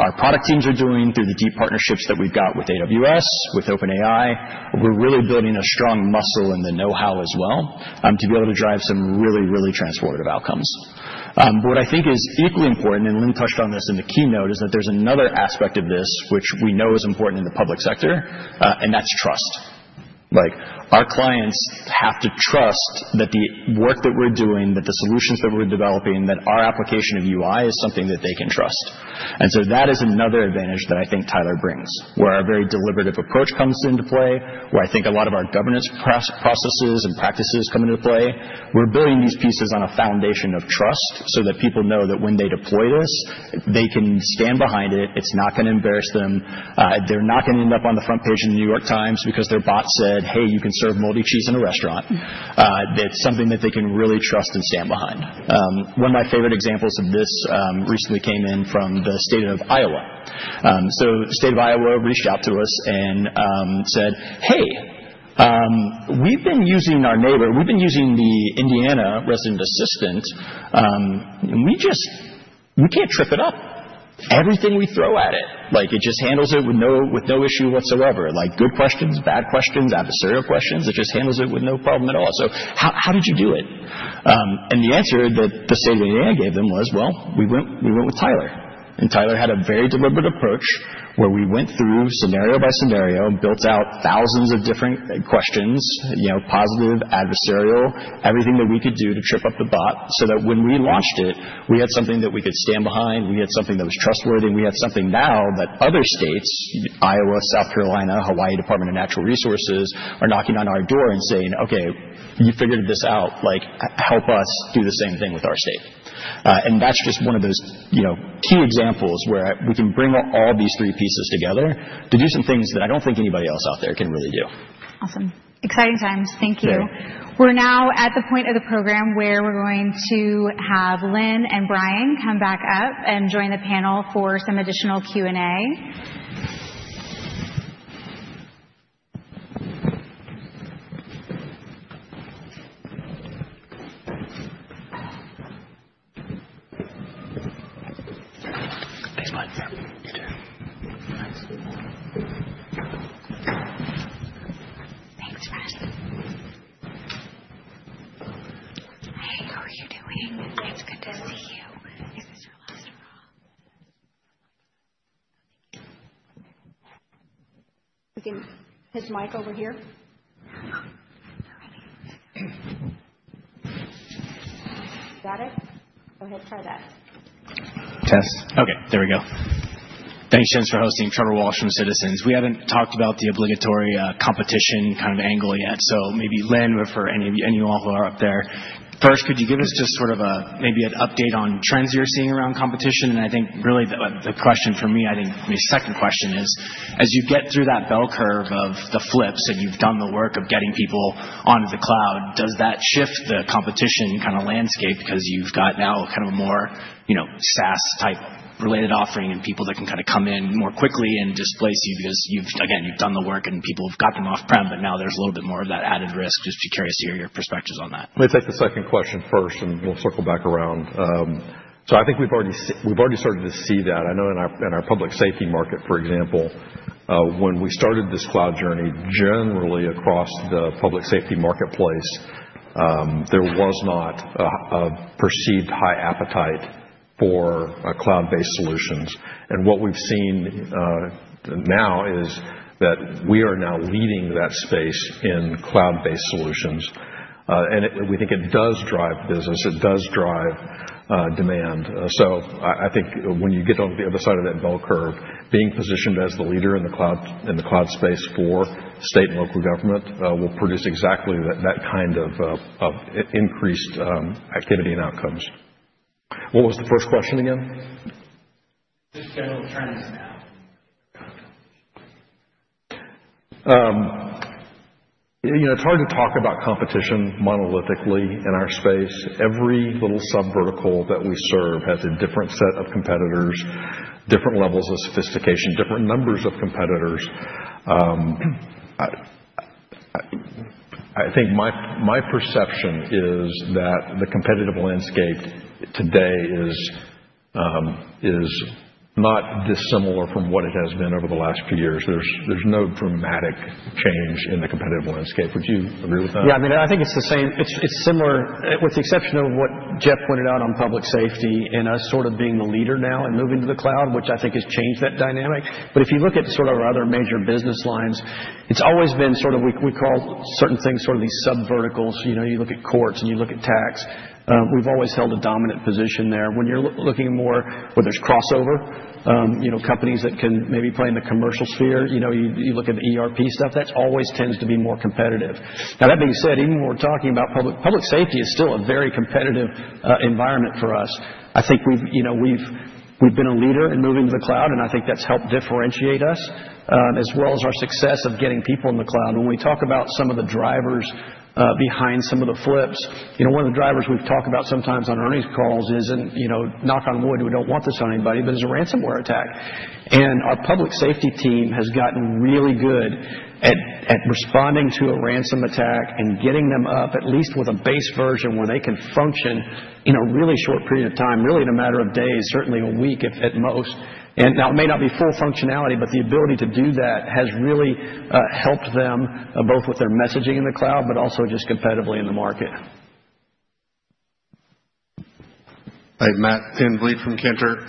our product teams are doing, through the deep partnerships that we've got with AWS, with OpenAI, we're really building a strong muscle in the know-how as well to be able to drive some really, really transformative outcomes. What I think is equally important, and Lynn touched on this in the keynote, is that there's another aspect of this which we know is important in the public sector, and that's trust. Our clients have to trust that the work that we're doing, that the solutions that we're developing, that our application of AI is something that they can trust. That is another advantage that I think Tyler brings, where our very deliberative approach comes into play, where I think a lot of our governance processes and practices come into play. We are building these pieces on a foundation of trust so that people know that when they deploy this, they can stand behind it. It is not going to embarrass them. They are not going to end up on the front page in The New York Times because their bot said, "Hey, you can serve moldy cheese in a restaurant." It is something that they can really trust and stand behind. One of my favorite examples of this recently came in from the state of Iowa. The state of Iowa reached out to us and said, "Hey, we have been using our neighbor. We have been using the Indiana resident assistant. We cannot trip it up. Everything we throw at it, it just handles it with no issue whatsoever. Good questions, bad questions, adversarial questions. It just handles it with no problem at all. "How did you do it?" The answer that the state of Indiana gave them was, "We went with Tyler." Tyler had a very deliberate approach where we went through scenario by scenario and built out thousands of different questions, positive, adversarial, everything that we could do to trip up the bot so that when we launched it, we had something that we could stand behind. We had something that was trustworthy. We had something now that other states, Iowa, South Carolina, Hawaii, Department of Natural Resources, are knocking on our door and saying, "Okay, you figured this out. Help us do the same thing with our state." That is just one of those key examples where we can bring all these three pieces together to do some things that I do not think anybody else out there can really do. Awesome. Exciting times. Thank you. We are now at the point of the program where we are going to have Lynn and Brian come back up and join the panel for some additional Q&A. Is Mike over here? Is that it? Go ahead, try that. Test. Okay. There we go. Thanks, gents, for hosting. Trevor Walsh from Citizens. We have not talked about the obligatory competition kind of angle yet. Maybe Lynn or for any of you all who are up there, first, could you give us just sort of maybe an update on trends you're seeing around competition? I think really the question for me, I think my second question is, as you get through that bell curve of the flips and you've done the work of getting people onto the cloud, does that shift the competition kind of landscape because you've got now kind of a more SaaS-type related offering and people that can kind of come in more quickly and displace you because, again, you've done the work and people have got them off-prem, but now there's a little bit more of that added risk? Just curious to hear your perspectives on that. Let me take the second question first, and we'll circle back around. I think we've already started to see that. I know in our Public Safety Market, for example, when we started this cloud journey, generally across the Public Safety Marketplace, there was not a perceived high appetite for cloud-based solutions. What we've seen now is that we are now leading that space in cloud-based solutions. We think it does drive business. It does drive demand. I think when you get on the other side of that bell curve, being positioned as the leader in the cloud space for state and local government will produce exactly that kind of increased activity and outcomes. What was the first question again? Just general trends now. It's hard to talk about competition monolithically in our space. Every little subvertical that we serve has a different set of competitors, different levels of sophistication, different numbers of competitors. I think my perception is that the competitive landscape today is not dissimilar from what it has been over the last few years. There's no dramatic change in the competitive landscape. Would you agree with that? Yeah. I mean, I think it's the same. It's similar with the exception of what Jeff pointed out on public safety and us sort of being the leader now and moving to the cloud, which I think has changed that dynamic. If you look at sort of our other major business lines, it's always been sort of we call certain things sort of these subverticals. You look at courts and you look at tax. We've always held a dominant position there. When you're looking more where there's crossover, companies that can maybe play in the commercial sphere, you look at the ERP stuff, that always tends to be more competitive. Now, that being said, even when we're talking about public safety, it's still a very competitive environment for us. I think we've been a leader in moving to the cloud, and I think that's helped differentiate us as well as our success of getting people in the cloud. When we talk about some of the drivers behind some of the flips, one of the drivers we've talked about sometimes on earnings calls is, and knock on wood, we don't want this on anybody, but it's a ransomware attack. Our Public Safety Team has gotten really good at responding to a ransom attack and getting them up, at least with a base version where they can function in a really short period of time, really in a matter of days, certainly a week at most. Now it may not be full functionality, but the ability to do that has really helped them both with their messaging in the cloud, but also just competitively in the market. Hi, Matt VanVliet from Cantor.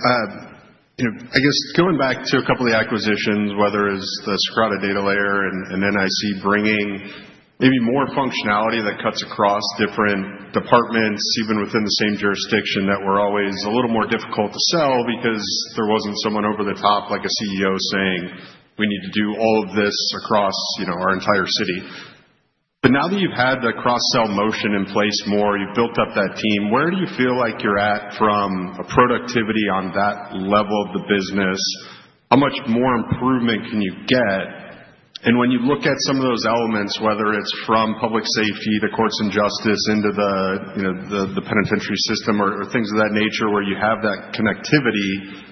I guess going back to a couple of the acquisitions, whether it's the Socrata data layer and NIC bringing maybe more functionality that cuts across different departments, even within the same jurisdiction that were always a little more difficult to sell because there wasn't someone over the top like a CEO saying, "We need to do all of this across our entire city." Now that you've had the cross-sell motion in place more, you've built up that team, where do you feel like you're at from a productivity on that level of the business? How much more improvement can you get? When you look at some of those elements, whether it's from public safety to courts and justice into the penitentiary system or things of that nature where you have that connectivity,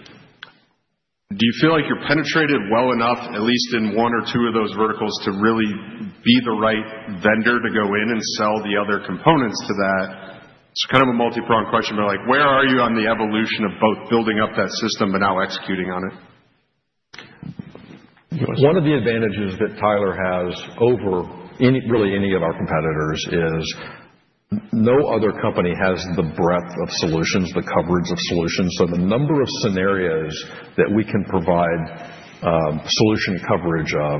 do you feel like you're penetrated well enough, at least in one or two of those verticals, to really be the right vendor to go in and sell the other components to that? It's kind of a multi-pronged question, but where are you on the evolution of both building up that system but now executing on it? One of the advantages that Tyler has over really any of our competitors is no other company has the breadth of solutions, the coverage of solutions. The number of scenarios that we can provide solution coverage of,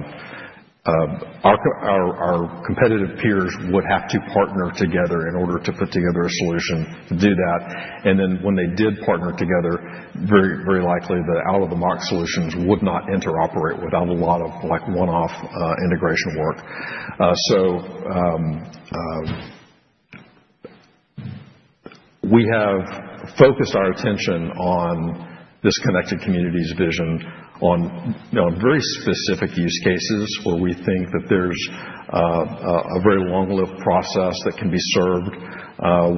our competitive peers would have to partner together in order to put together a solution to do that. When they did partner together, very likely the out-of-the-box solutions would not interoperate without a lot of one-off integration work. We have focused our attention on this connected community's vision on very specific use cases where we think that there is a very long-lived process that can be served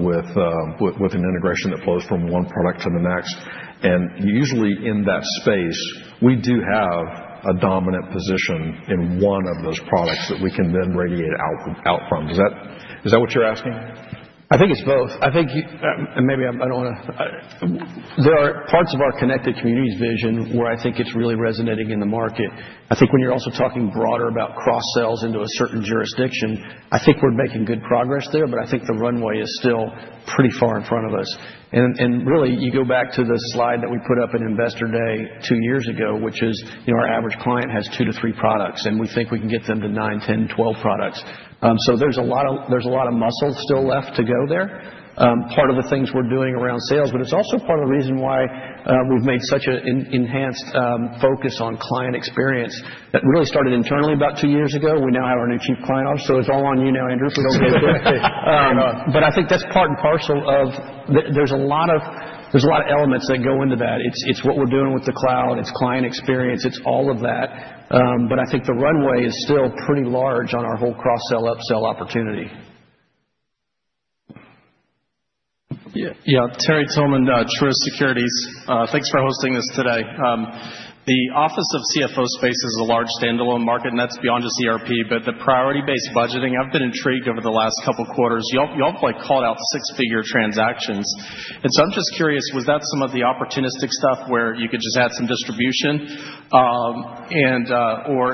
with an integration that flows from one product to the next. Usually in that space, we do have a dominant position in one of those products that we can then radiate out from. Is that what you are asking? I think it is both. I think, and maybe I do not want to, there are parts of our connected community's vision where I think it is really resonating in the market. I think when you're also talking broader about cross-sells into a certain jurisdiction, I think we're making good progress there, but I think the runway is still pretty far in front of us. You go back to the slide that we put up at Investor Day two years ago, which is our average client has two to three products, and we think we can get them to 9, 10, 12 products. There is a lot of muscle still left to go there. Part of the things we're doing around sales, but it's also part of the reason why we've made such an enhanced focus on client experience that really started internally about two years ago. We now have our new Chief Client Officer. It is all on you now, Andrew. If we do not get it done. I think that's part and parcel of there's a lot of elements that go into that. It's what we're doing with the cloud. It's client experience. It's all of that. I think the runway is still pretty large on our whole cross-sell upsell opportunity. Yeah. Terry Tillman, Truist Securities. Thanks for hosting us today. The office of CFO space is a large standalone market, and that's beyond just ERP, but the priority-based budgeting. I've been intrigued over the last couple of quarters. Y'all have called out six-figure transactions. I'm just curious, was that some of the opportunistic stuff where you could just add some distribution?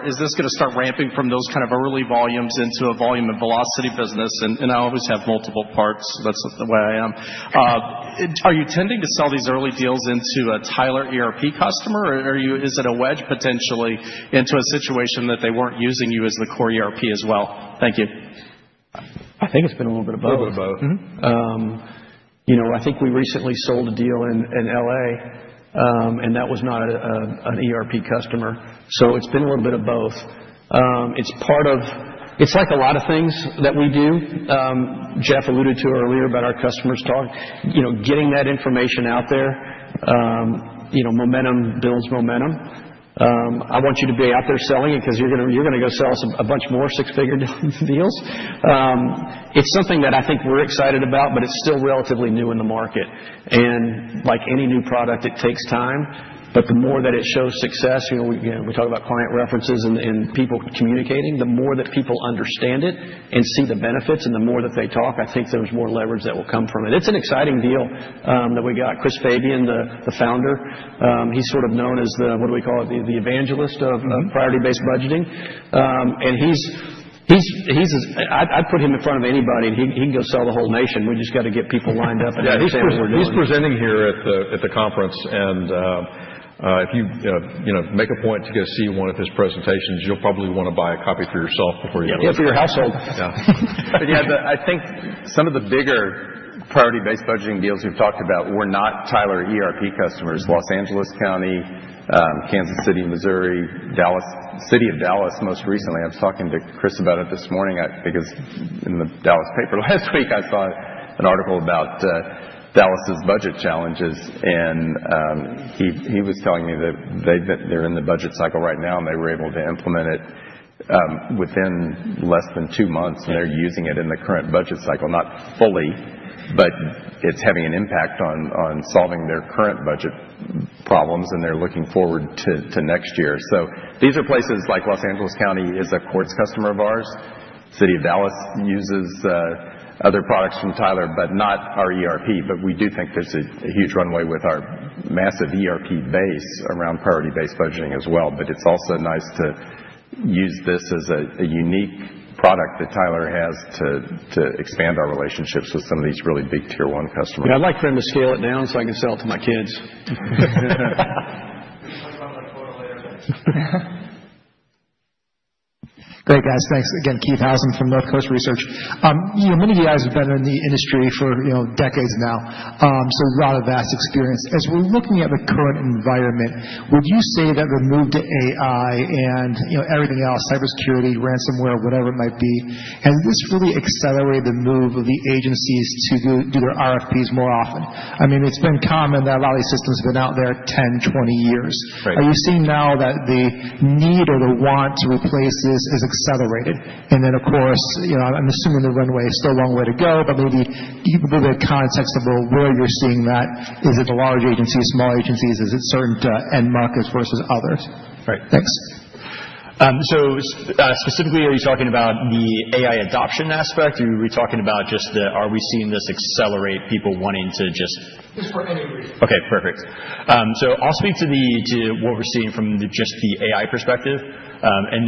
Is this going to start ramping from those kind of early volumes into a volume and velocity business? I always have multiple parts. That's the way I am. Are you tending to sell these early deals into a Tyler ERP customer? Or is it a wedge potentially into a situation that they were not using you as the core ERP as well? Thank you. I think it has been a little bit of both. A little bit of both. I think we recently sold a deal in LA, and that was not an ERP customer. So it has been a little bit of both. It is like a lot of things that we do. Jeff alluded to earlier about our customers talking, getting that information out there. Momentum builds momentum. I want you to be out there selling it because you are going to go sell us a bunch more six-figure deals. It is something that I think we are excited about, but it is still relatively new in the market. And like any new product, it takes time. The more that it shows success, we talk about client references and people communicating, the more that people understand it and see the benefits, and the more that they talk, I think there's more leverage that will come from it. It's an exciting deal that we got. Chris Fabian, the founder, he's sort of known as the, what do we call it, the evangelist of priority-based budgeting. I'd put him in front of anybody, and he can go sell the whole nation. We just got to get people lined up. Yeah. He's presenting here at the conference. If you make a point to go see one of his presentations, you'll probably want to buy a copy for yourself before you go to the house. Yeah. For your household. Yeah. Yeah, I think some of the bigger priority-based budgeting deals we've talked about were not Tyler ERP customers. Los Angeles County, Kansas City, Missouri, City of Dallas most recently. I was talking to Chris about it this morning because in the Dallas paper last week, I saw an article about Dallas's budget challenges. He was telling me that they're in the budget cycle right now, and they were able to implement it within less than two months. They're using it in the current budget cycle, not fully, but it's having an impact on solving their current budget problems, and they're looking forward to next year. These are places like Los Angeles County is a courts customer of ours. City of Dallas uses other products from Tyler, but not our ERP. We do think there's a huge runway with our massive ERP base around priority-based budgeting as well. It's also nice to use this as a unique product that Tyler has to expand our relationships with some of these really big tier-one customers. Yeah. I'd like for him to scale it down so I can sell it to my kids. Great, guys. Thanks again. Keith Housum from Northcoast Research. Many of you guys have been in the industry for decades now, so a lot of vast experience. As we're looking at the current environment, would you say that the move to AI and everything else, cybersecurity, ransomware, whatever it might be, has this really accelerated the move of the agencies to do their RFPs more often? I mean, it's been common that a lot of these systems have been out there 10, 20 years. Are you seeing now that the need or the want to replace this is accelerated? I'm assuming the runway is still a long way to go, but maybe give a bit of context of where you're seeing that. Is it the large agencies, small agencies? Is it certain end markets versus others? Right. Thanks. Specifically, are you talking about the AI adoption aspect? Are we talking about just the, are we seeing this accelerate, people wanting to just, just for any reason? Okay. Perfect. I'll speak to what we're seeing from just the AI perspective. Then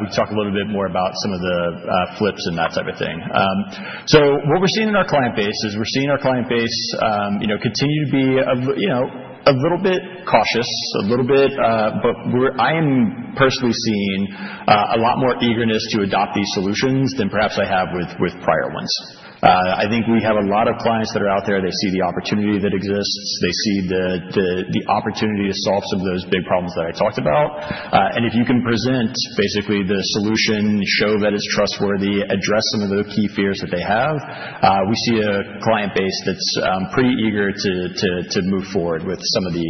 we can talk a little bit more about some of the flips and that type of thing. What we are seeing in our client base is we are seeing our client base continue to be a little bit cautious, a little bit, but I am personally seeing a lot more eagerness to adopt these solutions than perhaps I have with prior ones. I think we have a lot of clients that are out there. They see the opportunity that exists. They see the opportunity to solve some of those big problems that I talked about. If you can present basically the solution, show that it is trustworthy, address some of the key fears that they have, we see a client base that is pretty eager to move forward with some of the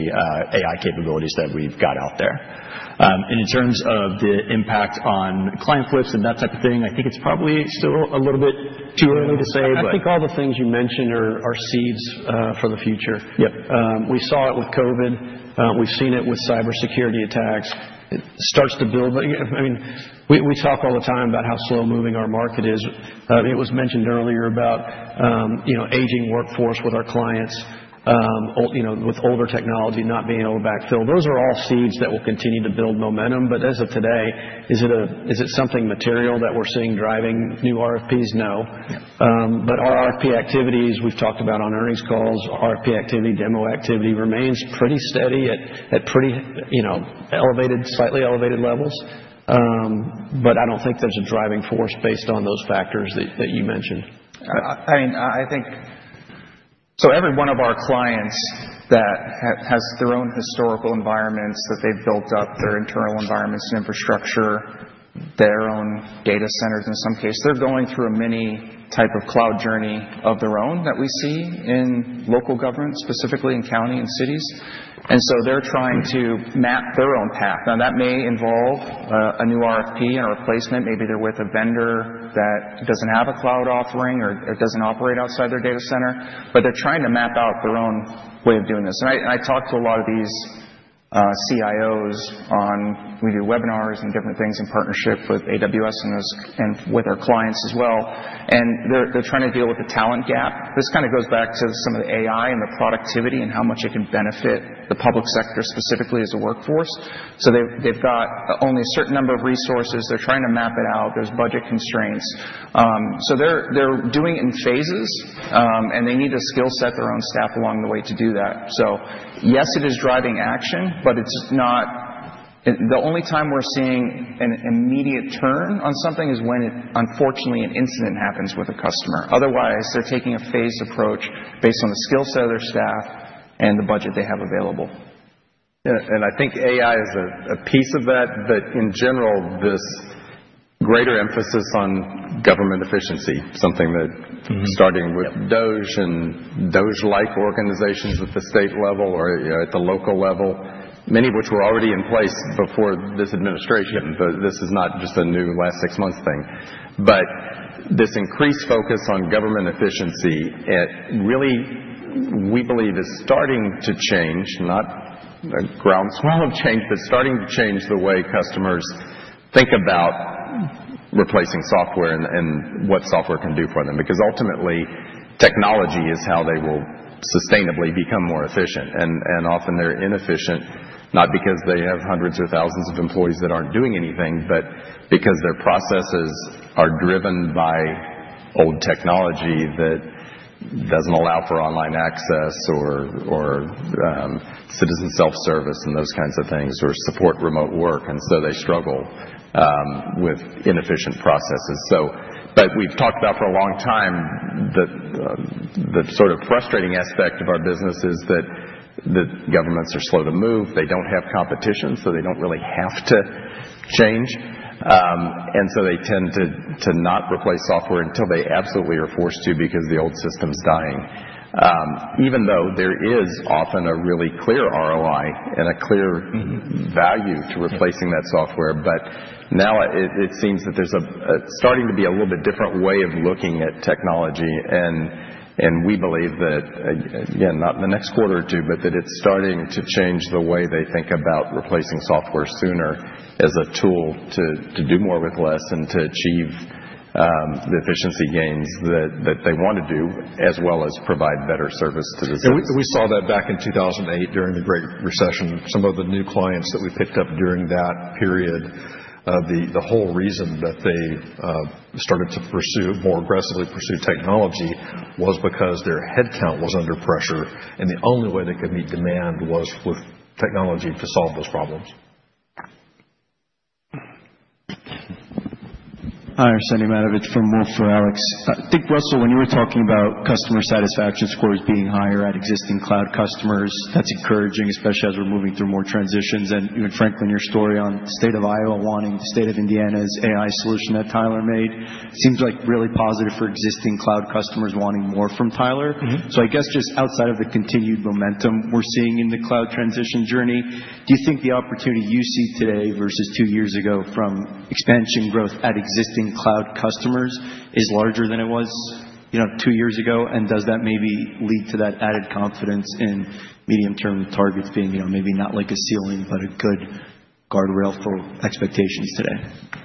AI capabilities that we have out there. In terms of the impact on client flips and that type of thing, I think it is probably still a little bit too early to say. I think all the things you mentioned are seeds for the future. We saw it with COVID. We've seen it with cybersecurity attacks. It starts to build. I mean, we talk all the time about how slow-moving our market is. It was mentioned earlier about aging workforce with our clients, with older technology not being able to backfill. Those are all seeds that will continue to build momentum. As of today, is it something material that we're seeing driving new RFPs? No. Our RFP activities, we've talked about on earnings calls, RFP activity, demo activity remains pretty steady at slightly elevated levels. I don't think there's a driving force based on those factors that you mentioned. I mean, I think. Every one of our clients that has their own historical environments that they've built up, their internal environments and infrastructure, their own data centers in some case, they're going through a mini type of cloud journey of their own that we see in local government, specifically in county and cities. They're trying to map their own path. That may involve a new RFP and a replacement. Maybe they're with a vendor that doesn't have a cloud offering or doesn't operate outside their data center. They're trying to map out their own way of doing this. I talk to a lot of these CIOs on we do webinars and different things in partnership with AWS and with our clients as well. They're trying to deal with the talent gap. This kind of goes back to some of the AI and the productivity and how much it can benefit the public sector specifically as a workforce. They have only a certain number of resources. They are trying to map it out. There are budget constraints. They are doing it in phases, and they need to skill set their own staff along the way to do that. Yes, it is driving action, but the only time we are seeing an immediate turn on something is when, unfortunately, an incident happens with a customer. Otherwise, they are taking a phased approach based on the skill set of their staff and the budget they have available. Yeah. I think AI is a piece of that, but in general, this greater emphasis on government efficiency, something that starting with DOGE and DOGE-like organizations at the state level or at the local level, many of which were already in place before this administration. This is not just a new last six months thing. This increased focus on government efficiency, really, we believe, is starting to change, not a groundswell of change, but starting to change the way customers think about replacing software and what software can do for them. Because ultimately, technology is how they will sustainably become more efficient. Often, they're inefficient, not because they have hundreds or thousands of employees that aren't doing anything, but because their processes are driven by old technology that doesn't allow for online access or citizen self-service and those kinds of things or support remote work. They struggle with inefficient processes. We have talked about for a long time that the sort of frustrating aspect of our business is that the governments are slow to move. They do not have competition, so they do not really have to change. They tend to not replace software until they absolutely are forced to because the old system is dying. Even though there is often a really clear ROI and a clear value to replacing that software, now it seems that there is starting to be a little bit different way of looking at technology. We believe that, again, not in the next quarter or two, but that it is starting to change the way they think about replacing software sooner as a tool to do more with less and to achieve the efficiency gains that they want to do, as well as provide better service to the system. We saw that back in 2008 during the Great Recession. Some of the new clients that we picked up during that period, the whole reason that they started to pursue, more aggressively pursue, technology was because their headcount was under pressure, and the only way they could meet demand was with technology to solve those problems. Hi, I am Arsenije Matovic from Wolfe Research. I think, Russell, when you were talking about customer satisfaction scores being higher at existing cloud customers, that is encouraging, especially as we are moving through more transitions. Even Franklin, your story on the state of Iowa wanting the state of Indiana's AI solution that Tyler made seems like really positive for existing cloud customers wanting more from Tyler. I guess just outside of the continued momentum we're seeing in the cloud transition journey, do you think the opportunity you see today versus two years ago from expansion growth at existing cloud customers is larger than it was two years ago? Does that maybe lead to that added confidence in medium-term targets being maybe not like a ceiling, but a good guardrail for expectations today?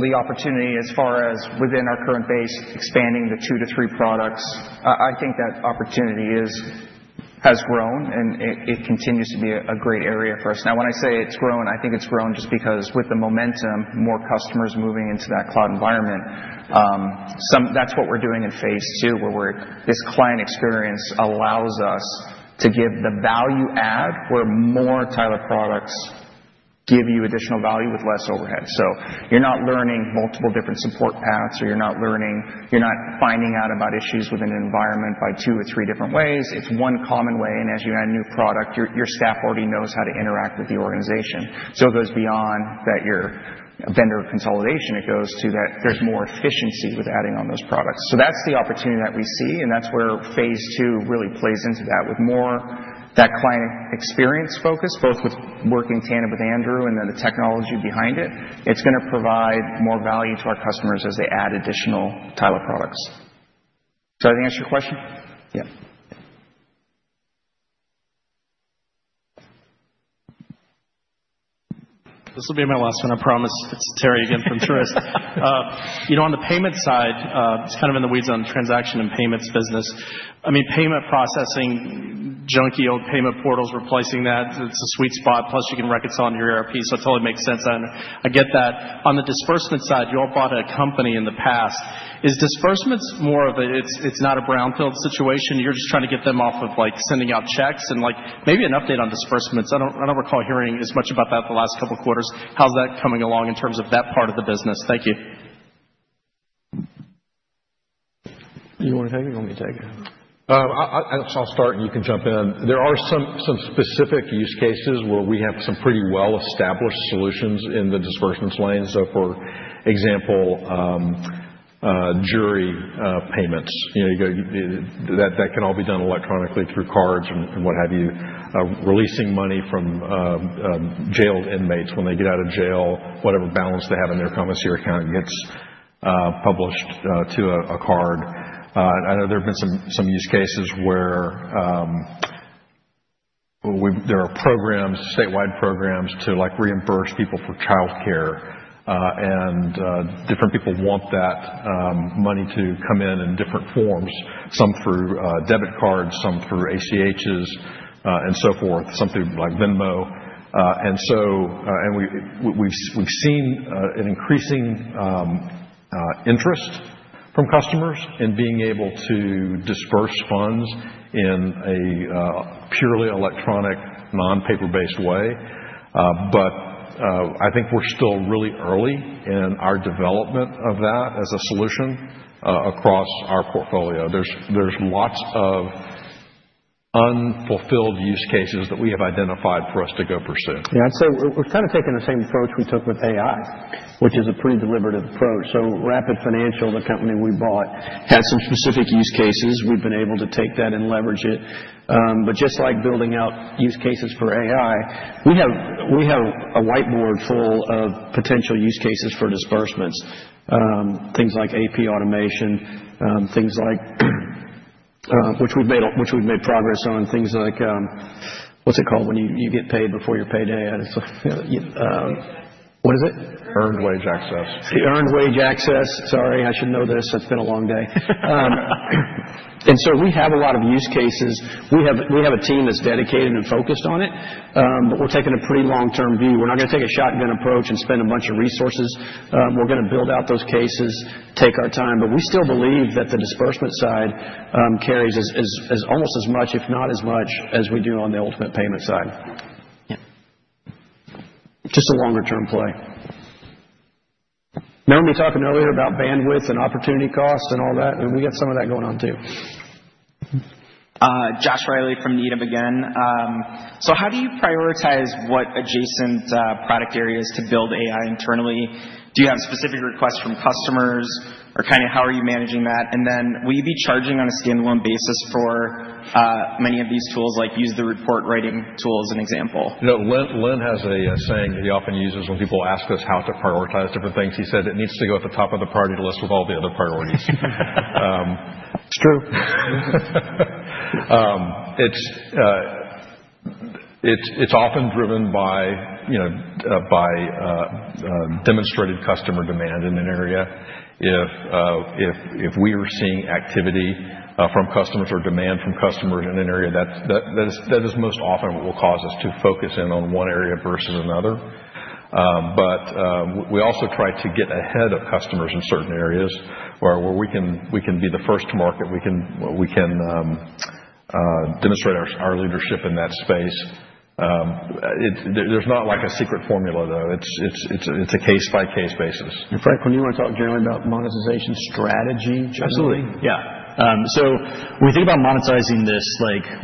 The opportunity as far as within our current base, expanding the two to three products, I think that opportunity has grown, and it continues to be a great area for us. Now, when I say it's grown, I think it's grown just because with the momentum, more customers moving into that cloud environment, that's what we're doing in phase two, where this client experience allows us to give the value-add where more Tyler products give you additional value with less overhead. You're not learning multiple different support paths, or you're not finding out about issues within an environment by two or three different ways. It's one common way. As you add a new product, your staff already knows how to interact with the organization. It goes beyond that vendor consolidation. It goes to that there's more efficiency with adding on those products. That's the opportunity that we see, and that's where phase two really plays into that with more that client experience focus, both with working tandem with Andrew and then the technology behind it. It's going to provide more value to our customers as they add additional Tyler products. Does that answer your question? Yeah. This will be my last one. I promise it's Terry again from Truist. On the payment side, it's kind of in the weeds on transaction and payments business. I mean, payment processing, junky old payment portals, replacing that, it's a sweet spot. Plus, you can reconcile on your ERP, so it totally makes sense. I get that. On the disbursement side, you all bought a company in the past. Is disbursements more of a it's not a brownfield situation. You're just trying to get them off of sending out checks and maybe an update on disbursements. I don't recall hearing as much about that the last couple of quarters. How's that coming along in terms of that part of the business? Thank you. You want to take it or me take it? I'll start, and you can jump in. There are some specific use cases where we have some pretty well-established solutions in the disbursements lane. For example, jury payments, that can all be done electronically through cards and what have you. Releasing money from jailed inmates when they get out of jail, whatever balance they have in their commissary account gets published to a card. I know there have been some use cases where there are statewide programs to reimburse people for childcare. Different people want that money to come in in different forms, some through debit cards, some through ACHs, and so forth, something like Venmo. We've seen an increasing interest from customers in being able to disburse funds in a purely electronic, non-paper-based way. I think we're still really early in our development of that as a solution across our portfolio. There's lots of unfulfilled use cases that we have identified for us to go pursue. Yeah. I'd say we've kind of taken the same approach we took with AI, which is a pretty deliberative approach. Rapid Financial, the company we bought, had some specific use cases. We've been able to take that and leverage it. Just like building out use cases for AI, we have a whiteboard full of potential use cases for disbursements, things like AP automation, things like which we've made progress on, things like what's it called when you get paid before your payday? What is it? Earned wage access. Earned wage access. Sorry. I should know this. It's been a long day. We have a lot of use cases. We have a team that's dedicated and focused on it, but we're taking a pretty long-term view. We're not going to take a shotgun approach and spend a bunch of resources. We're going to build out those cases, take our time. We still believe that the disbursement side carries almost as much, if not as much, as we do on the ultimate payment side. Just a longer-term play. Remember me talking earlier about bandwidth and opportunity costs and all that? We got some of that going on too. Josh Riley from Needham again. How do you prioritize what adjacent product areas to build AI internally? Do you have specific requests from customers? Kind of how are you managing that? Will you be charging on a standalone basis for many of these tools, like use the report writing tool as an example? Lynn has a saying that he often uses when people ask us how to prioritize different things. He said it needs to go at the top of the priority list with all the other priorities. It is true. It is often driven by demonstrated customer demand in an area. If we are seeing activity from customers or demand from customers in an area, that is most often what will cause us to focus in on one area versus another. We also try to get ahead of customers in certain areas where we can be the first to market. We can demonstrate our leadership in that space. There is not a secret formula, though. It is a case-by-case basis. Frank, when you want to talk generally about monetization strategy, generally? Absolutely. Yeah. When we think about monetizing this,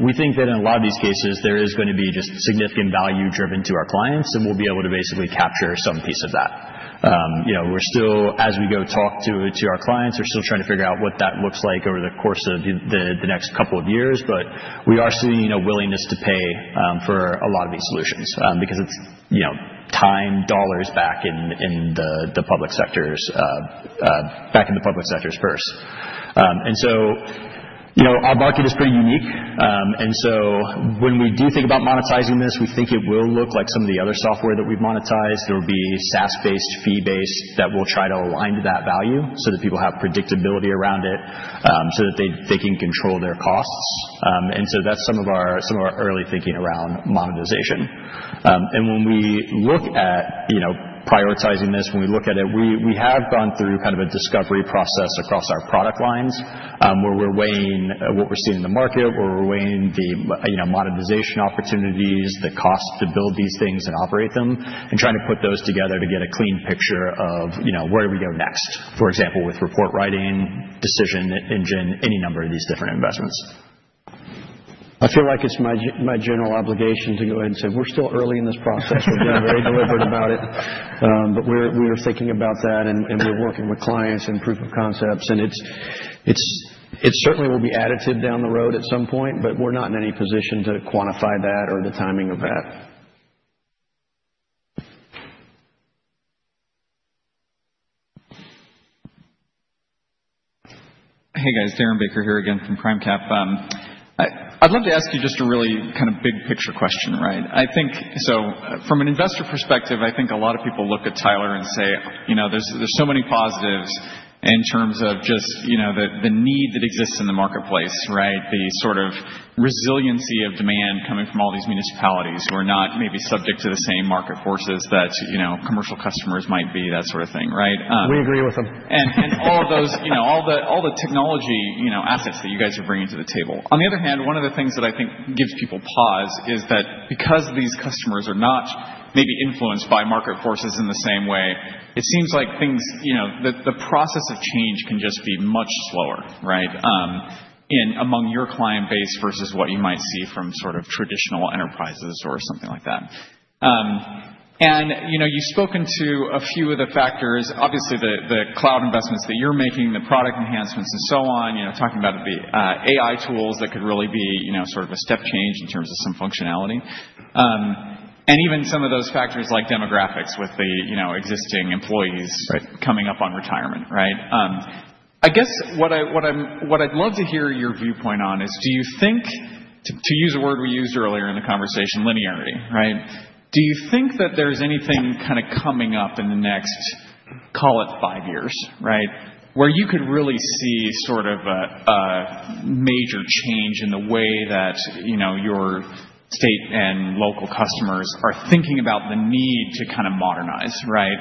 we think that in a lot of these cases, there is going to be just significant value driven to our clients, and we'll be able to basically capture some piece of that. As we go talk to our clients, we're still trying to figure out what that looks like over the course of the next couple of years. We are seeing a willingness to pay for a lot of these solutions because it's time, dollars back in the public sectors, back in the public sectors first. Our market is pretty unique. When we do think about monetizing this, we think it will look like some of the other software that we've monetized. There will be SaaS-based, fee-based that will try to align to that value so that people have predictability around it so that they can control their costs. That is some of our early thinking around monetization. When we look at prioritizing this, when we look at it, we have gone through kind of a discovery process across our product lines where we're weighing what we're seeing in the market, where we're weighing the monetization opportunities, the cost to build these things and operate them, and trying to put those together to get a clean picture of where do we go next, for example, with report writing, decision engine, any number of these different investments. I feel like it's my general obligation to go ahead and say we're still early in this process. We're being very deliberate about it. We are thinking about that, and we're working with clients and proof of concepts. It certainly will be additive down the road at some point, but we're not in any position to quantify that or the timing of that. Hey, guys. Darren Baker here again from PrimeCap. I'd love to ask you just a really kind of big-picture question, right? From an investor perspective, I think a lot of people look at Tyler and say there's so many positives in terms of just the need that exists in the marketplace, right? The sort of resiliency of demand coming from all these municipalities who are not maybe subject to the same market forces that commercial customers might be, that sort of thing, right? We agree with them. All of those, all the technology assets that you guys are bringing to the table. On the other hand, one of the things that I think gives people pause is that because these customers are not maybe influenced by market forces in the same way, it seems like the process of change can just be much slower, right, among your client base versus what you might see from sort of traditional enterprises or something like that. You have spoken to a few of the factors, obviously the cloud investments that you are making, the product enhancements, and so on, talking about the AI tools that could really be sort of a step change in terms of some functionality. Even some of those factors like demographics with the existing employees coming up on retirement, right? I guess what I would love to hear your viewpoint on is, do you think, to use a word we used earlier in the conversation, linearity, right? Do you think that there's anything kind of coming up in the next, call it, five years, right, where you could really see sort of a major change in the way that your state and local customers are thinking about the need to kind of modernize, right?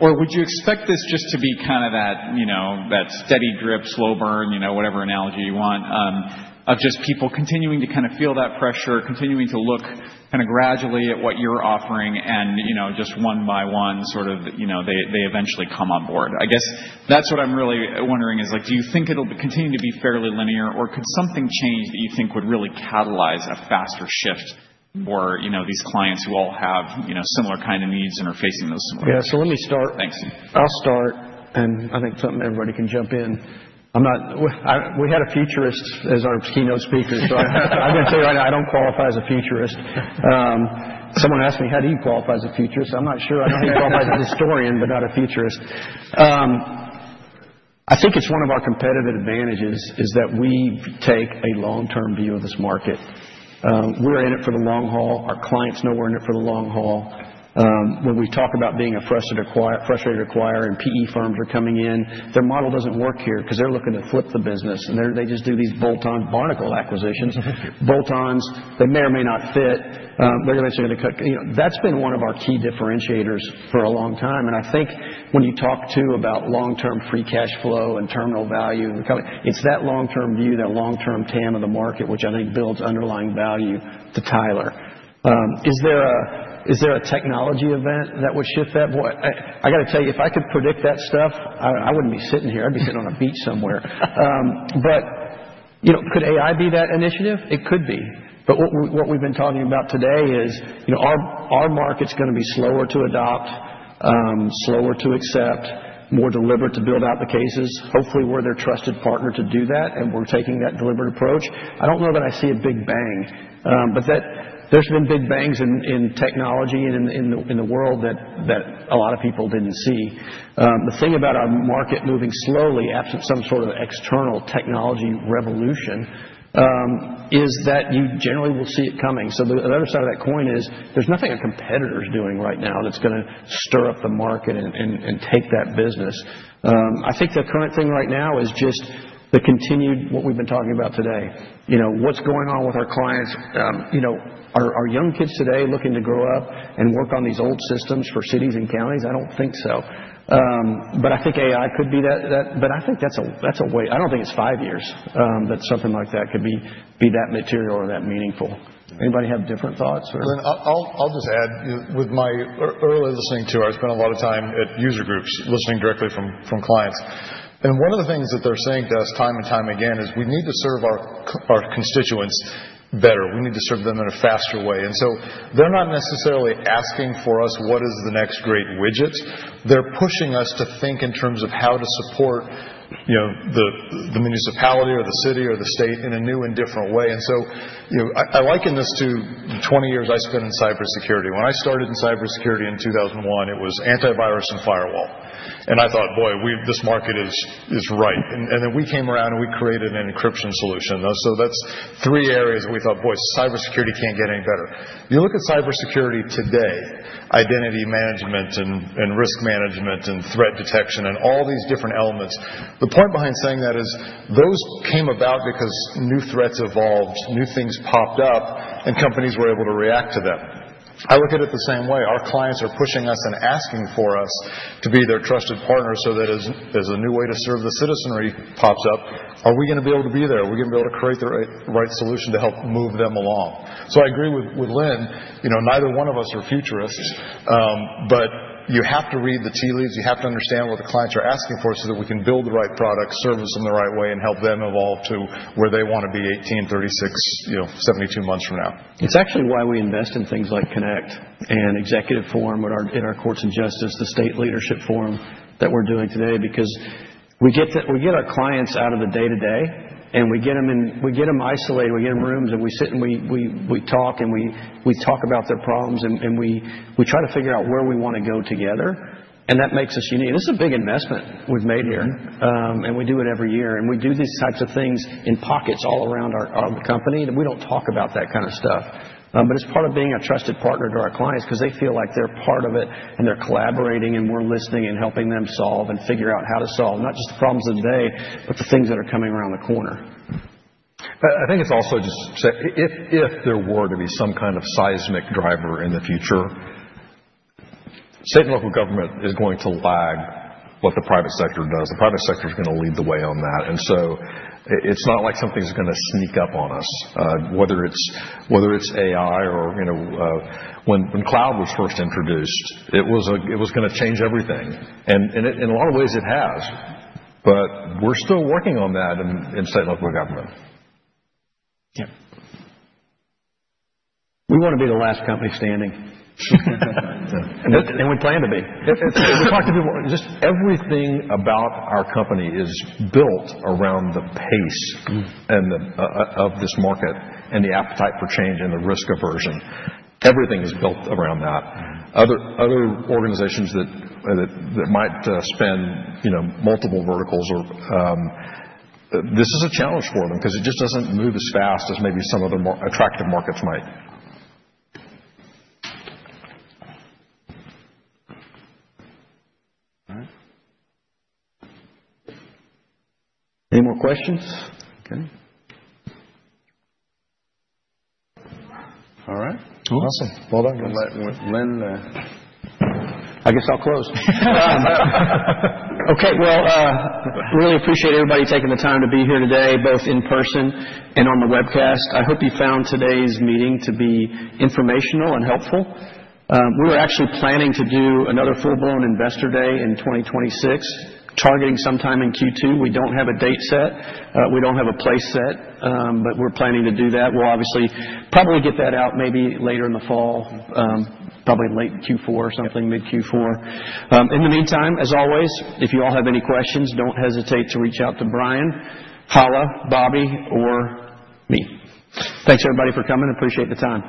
Or would you expect this just to be kind of that steady drip, slow burn, whatever analogy you want, of just people continuing to kind of feel that pressure, continuing to look kind of gradually at what you're offering, and just one by one sort of they eventually come on board? I guess that's what I'm really wondering is, do you think it'll continue to be fairly linear, or could something change that you think would really catalyze a faster shift for these clients who all have similar kind of needs and are facing those similar needs? Yeah. So let me start. Thanks. I'll start, and I think something everybody can jump in. We had a futurist as our keynote speaker, so I'm going to tell you right now, I don't qualify as a futurist. Someone asked me, how do you qualify as a futurist? I'm not sure. I know he qualifies as a historian, but not a futurist. I think it's one of our competitive advantages is that we take a long-term view of this market. We're in it for the long haul. Our clients know we're in it for the long haul. When we talk about being a frustrated acquirer and PE firms are coming in, their model doesn't work here because they're looking to flip the business, and they just do these bolt-on barnacle acquisitions. Bolt-ons, they may or may not fit. They're eventually going to cut. That's been one of our key differentiators for a long time. I think when you talk too about long-term free cash flow and terminal value, it's that long-term view, that long-term TAM of the market, which I think builds underlying value to Tyler. Is there a technology event that would shift that? I got to tell you, if I could predict that stuff, I wouldn't be sitting here. I'd be sitting on a beach somewhere. Could AI be that initiative? It could be. What we've been talking about today is our market's going to be slower to adopt, slower to accept, more deliberate to build out the cases. Hopefully, we're their trusted partner to do that, and we're taking that deliberate approach. I don't know that I see a big bang, but there's been big bangs in technology and in the world that a lot of people didn't see. The thing about our market moving slowly, absent some sort of external technology revolution, is that you generally will see it coming. The other side of that coin is there's nothing a competitor is doing right now that's going to stir up the market and take that business. I think the current thing right now is just the continued what we've been talking about today. What's going on with our clients? Are young kids today looking to grow up and work on these old systems for cities and counties? I don't think so. I think AI could be that. I think that's a way. I don't think it's five years that something like that could be that material or that meaningful. Anybody have different thoughts or? I'll just add, with my early listening to ours, spent a lot of time at user groups listening directly from clients. One of the things that they're saying to us time and time again is we need to serve our constituents better. We need to serve them in a faster way. They are not necessarily asking for us, what is the next great widget? They are pushing us to think in terms of how to support the municipality or the city or the state in a new and different way. I liken this to 20 years I spent in cybersecurity. When I started in cybersecurity in 2001, it was antivirus and firewall. I thought, boy, this market is right. Then we came around and we created an encryption solution. That is three areas that we thought, boy, cybersecurity cannot get any better. You look at cybersecurity today, identity management and risk management and threat detection and all these different elements. The point behind saying that is those came about because new threats evolved, new things popped up, and companies were able to react to them. I look at it the same way. Our clients are pushing us and asking for us to be their trusted partner so that as a new way to serve the citizenry pops up, are we going to be able to be there? Are we going to be able to create the right solution to help move them along? I agree with Lynn. Neither one of us are futurists, but you have to read the tea leaves. You have to understand what the clients are asking for so that we can build the right product, serve them the right way, and help them evolve to where they want to be 18, 36, 72 months from now. It's actually why we invest in things like Connect and Executive Forum in our courts and justice, the state leadership forum that we're doing today, because we get our clients out of the day-to-day, and we get them isolated. We get them rooms, and we sit and we talk, and we talk about their problems, and we try to figure out where we want to go together. That makes us unique. This is a big investment we've made here, and we do it every year. We do these types of things in pockets all around our company. We do not talk about that kind of stuff, but it is part of being a trusted partner to our clients because they feel like they are part of it, and they are collaborating, and we are listening and helping them solve and figure out how to solve not just the problems of the day, but the things that are coming around the corner. I think it is also just if there were to be some kind of seismic driver in the future, state and local government is going to lag what the private sector does. The private sector is going to lead the way on that. It is not like something is going to sneak up on us, whether it is AI or when cloud was first introduced, it was going to change everything. In a lot of ways, it has. We are still working on that in state and local government. Yep. We want to be the last company standing. And we plan to be. We talk to people. Just everything about our company is built around the pace of this market and the appetite for change and the risk aversion. Everything is built around that. Other organizations that might spend multiple verticals, this is a challenge for them because it just does not move as fast as maybe some other more attractive markets might. Any more questions? Okay. All right. Awesome. Lynn, I guess I will close. Okay. I really appreciate everybody taking the time to be here today, both in person and on the webcast. I hope you found today's meeting to be informational and helpful. We were actually planning to do another full-blown investor day in 2026, targeting sometime in Q2. We do not have a date set. We do not have a place set, but we are planning to do that. We'll obviously probably get that out maybe later in the fall, probably late Q4 or something, mid-Q4. In the meantime, as always, if you all have any questions, do not hesitate to reach out to Brian, Hala, Bobby, or me. Thanks, everybody, for coming. Appreciate the time.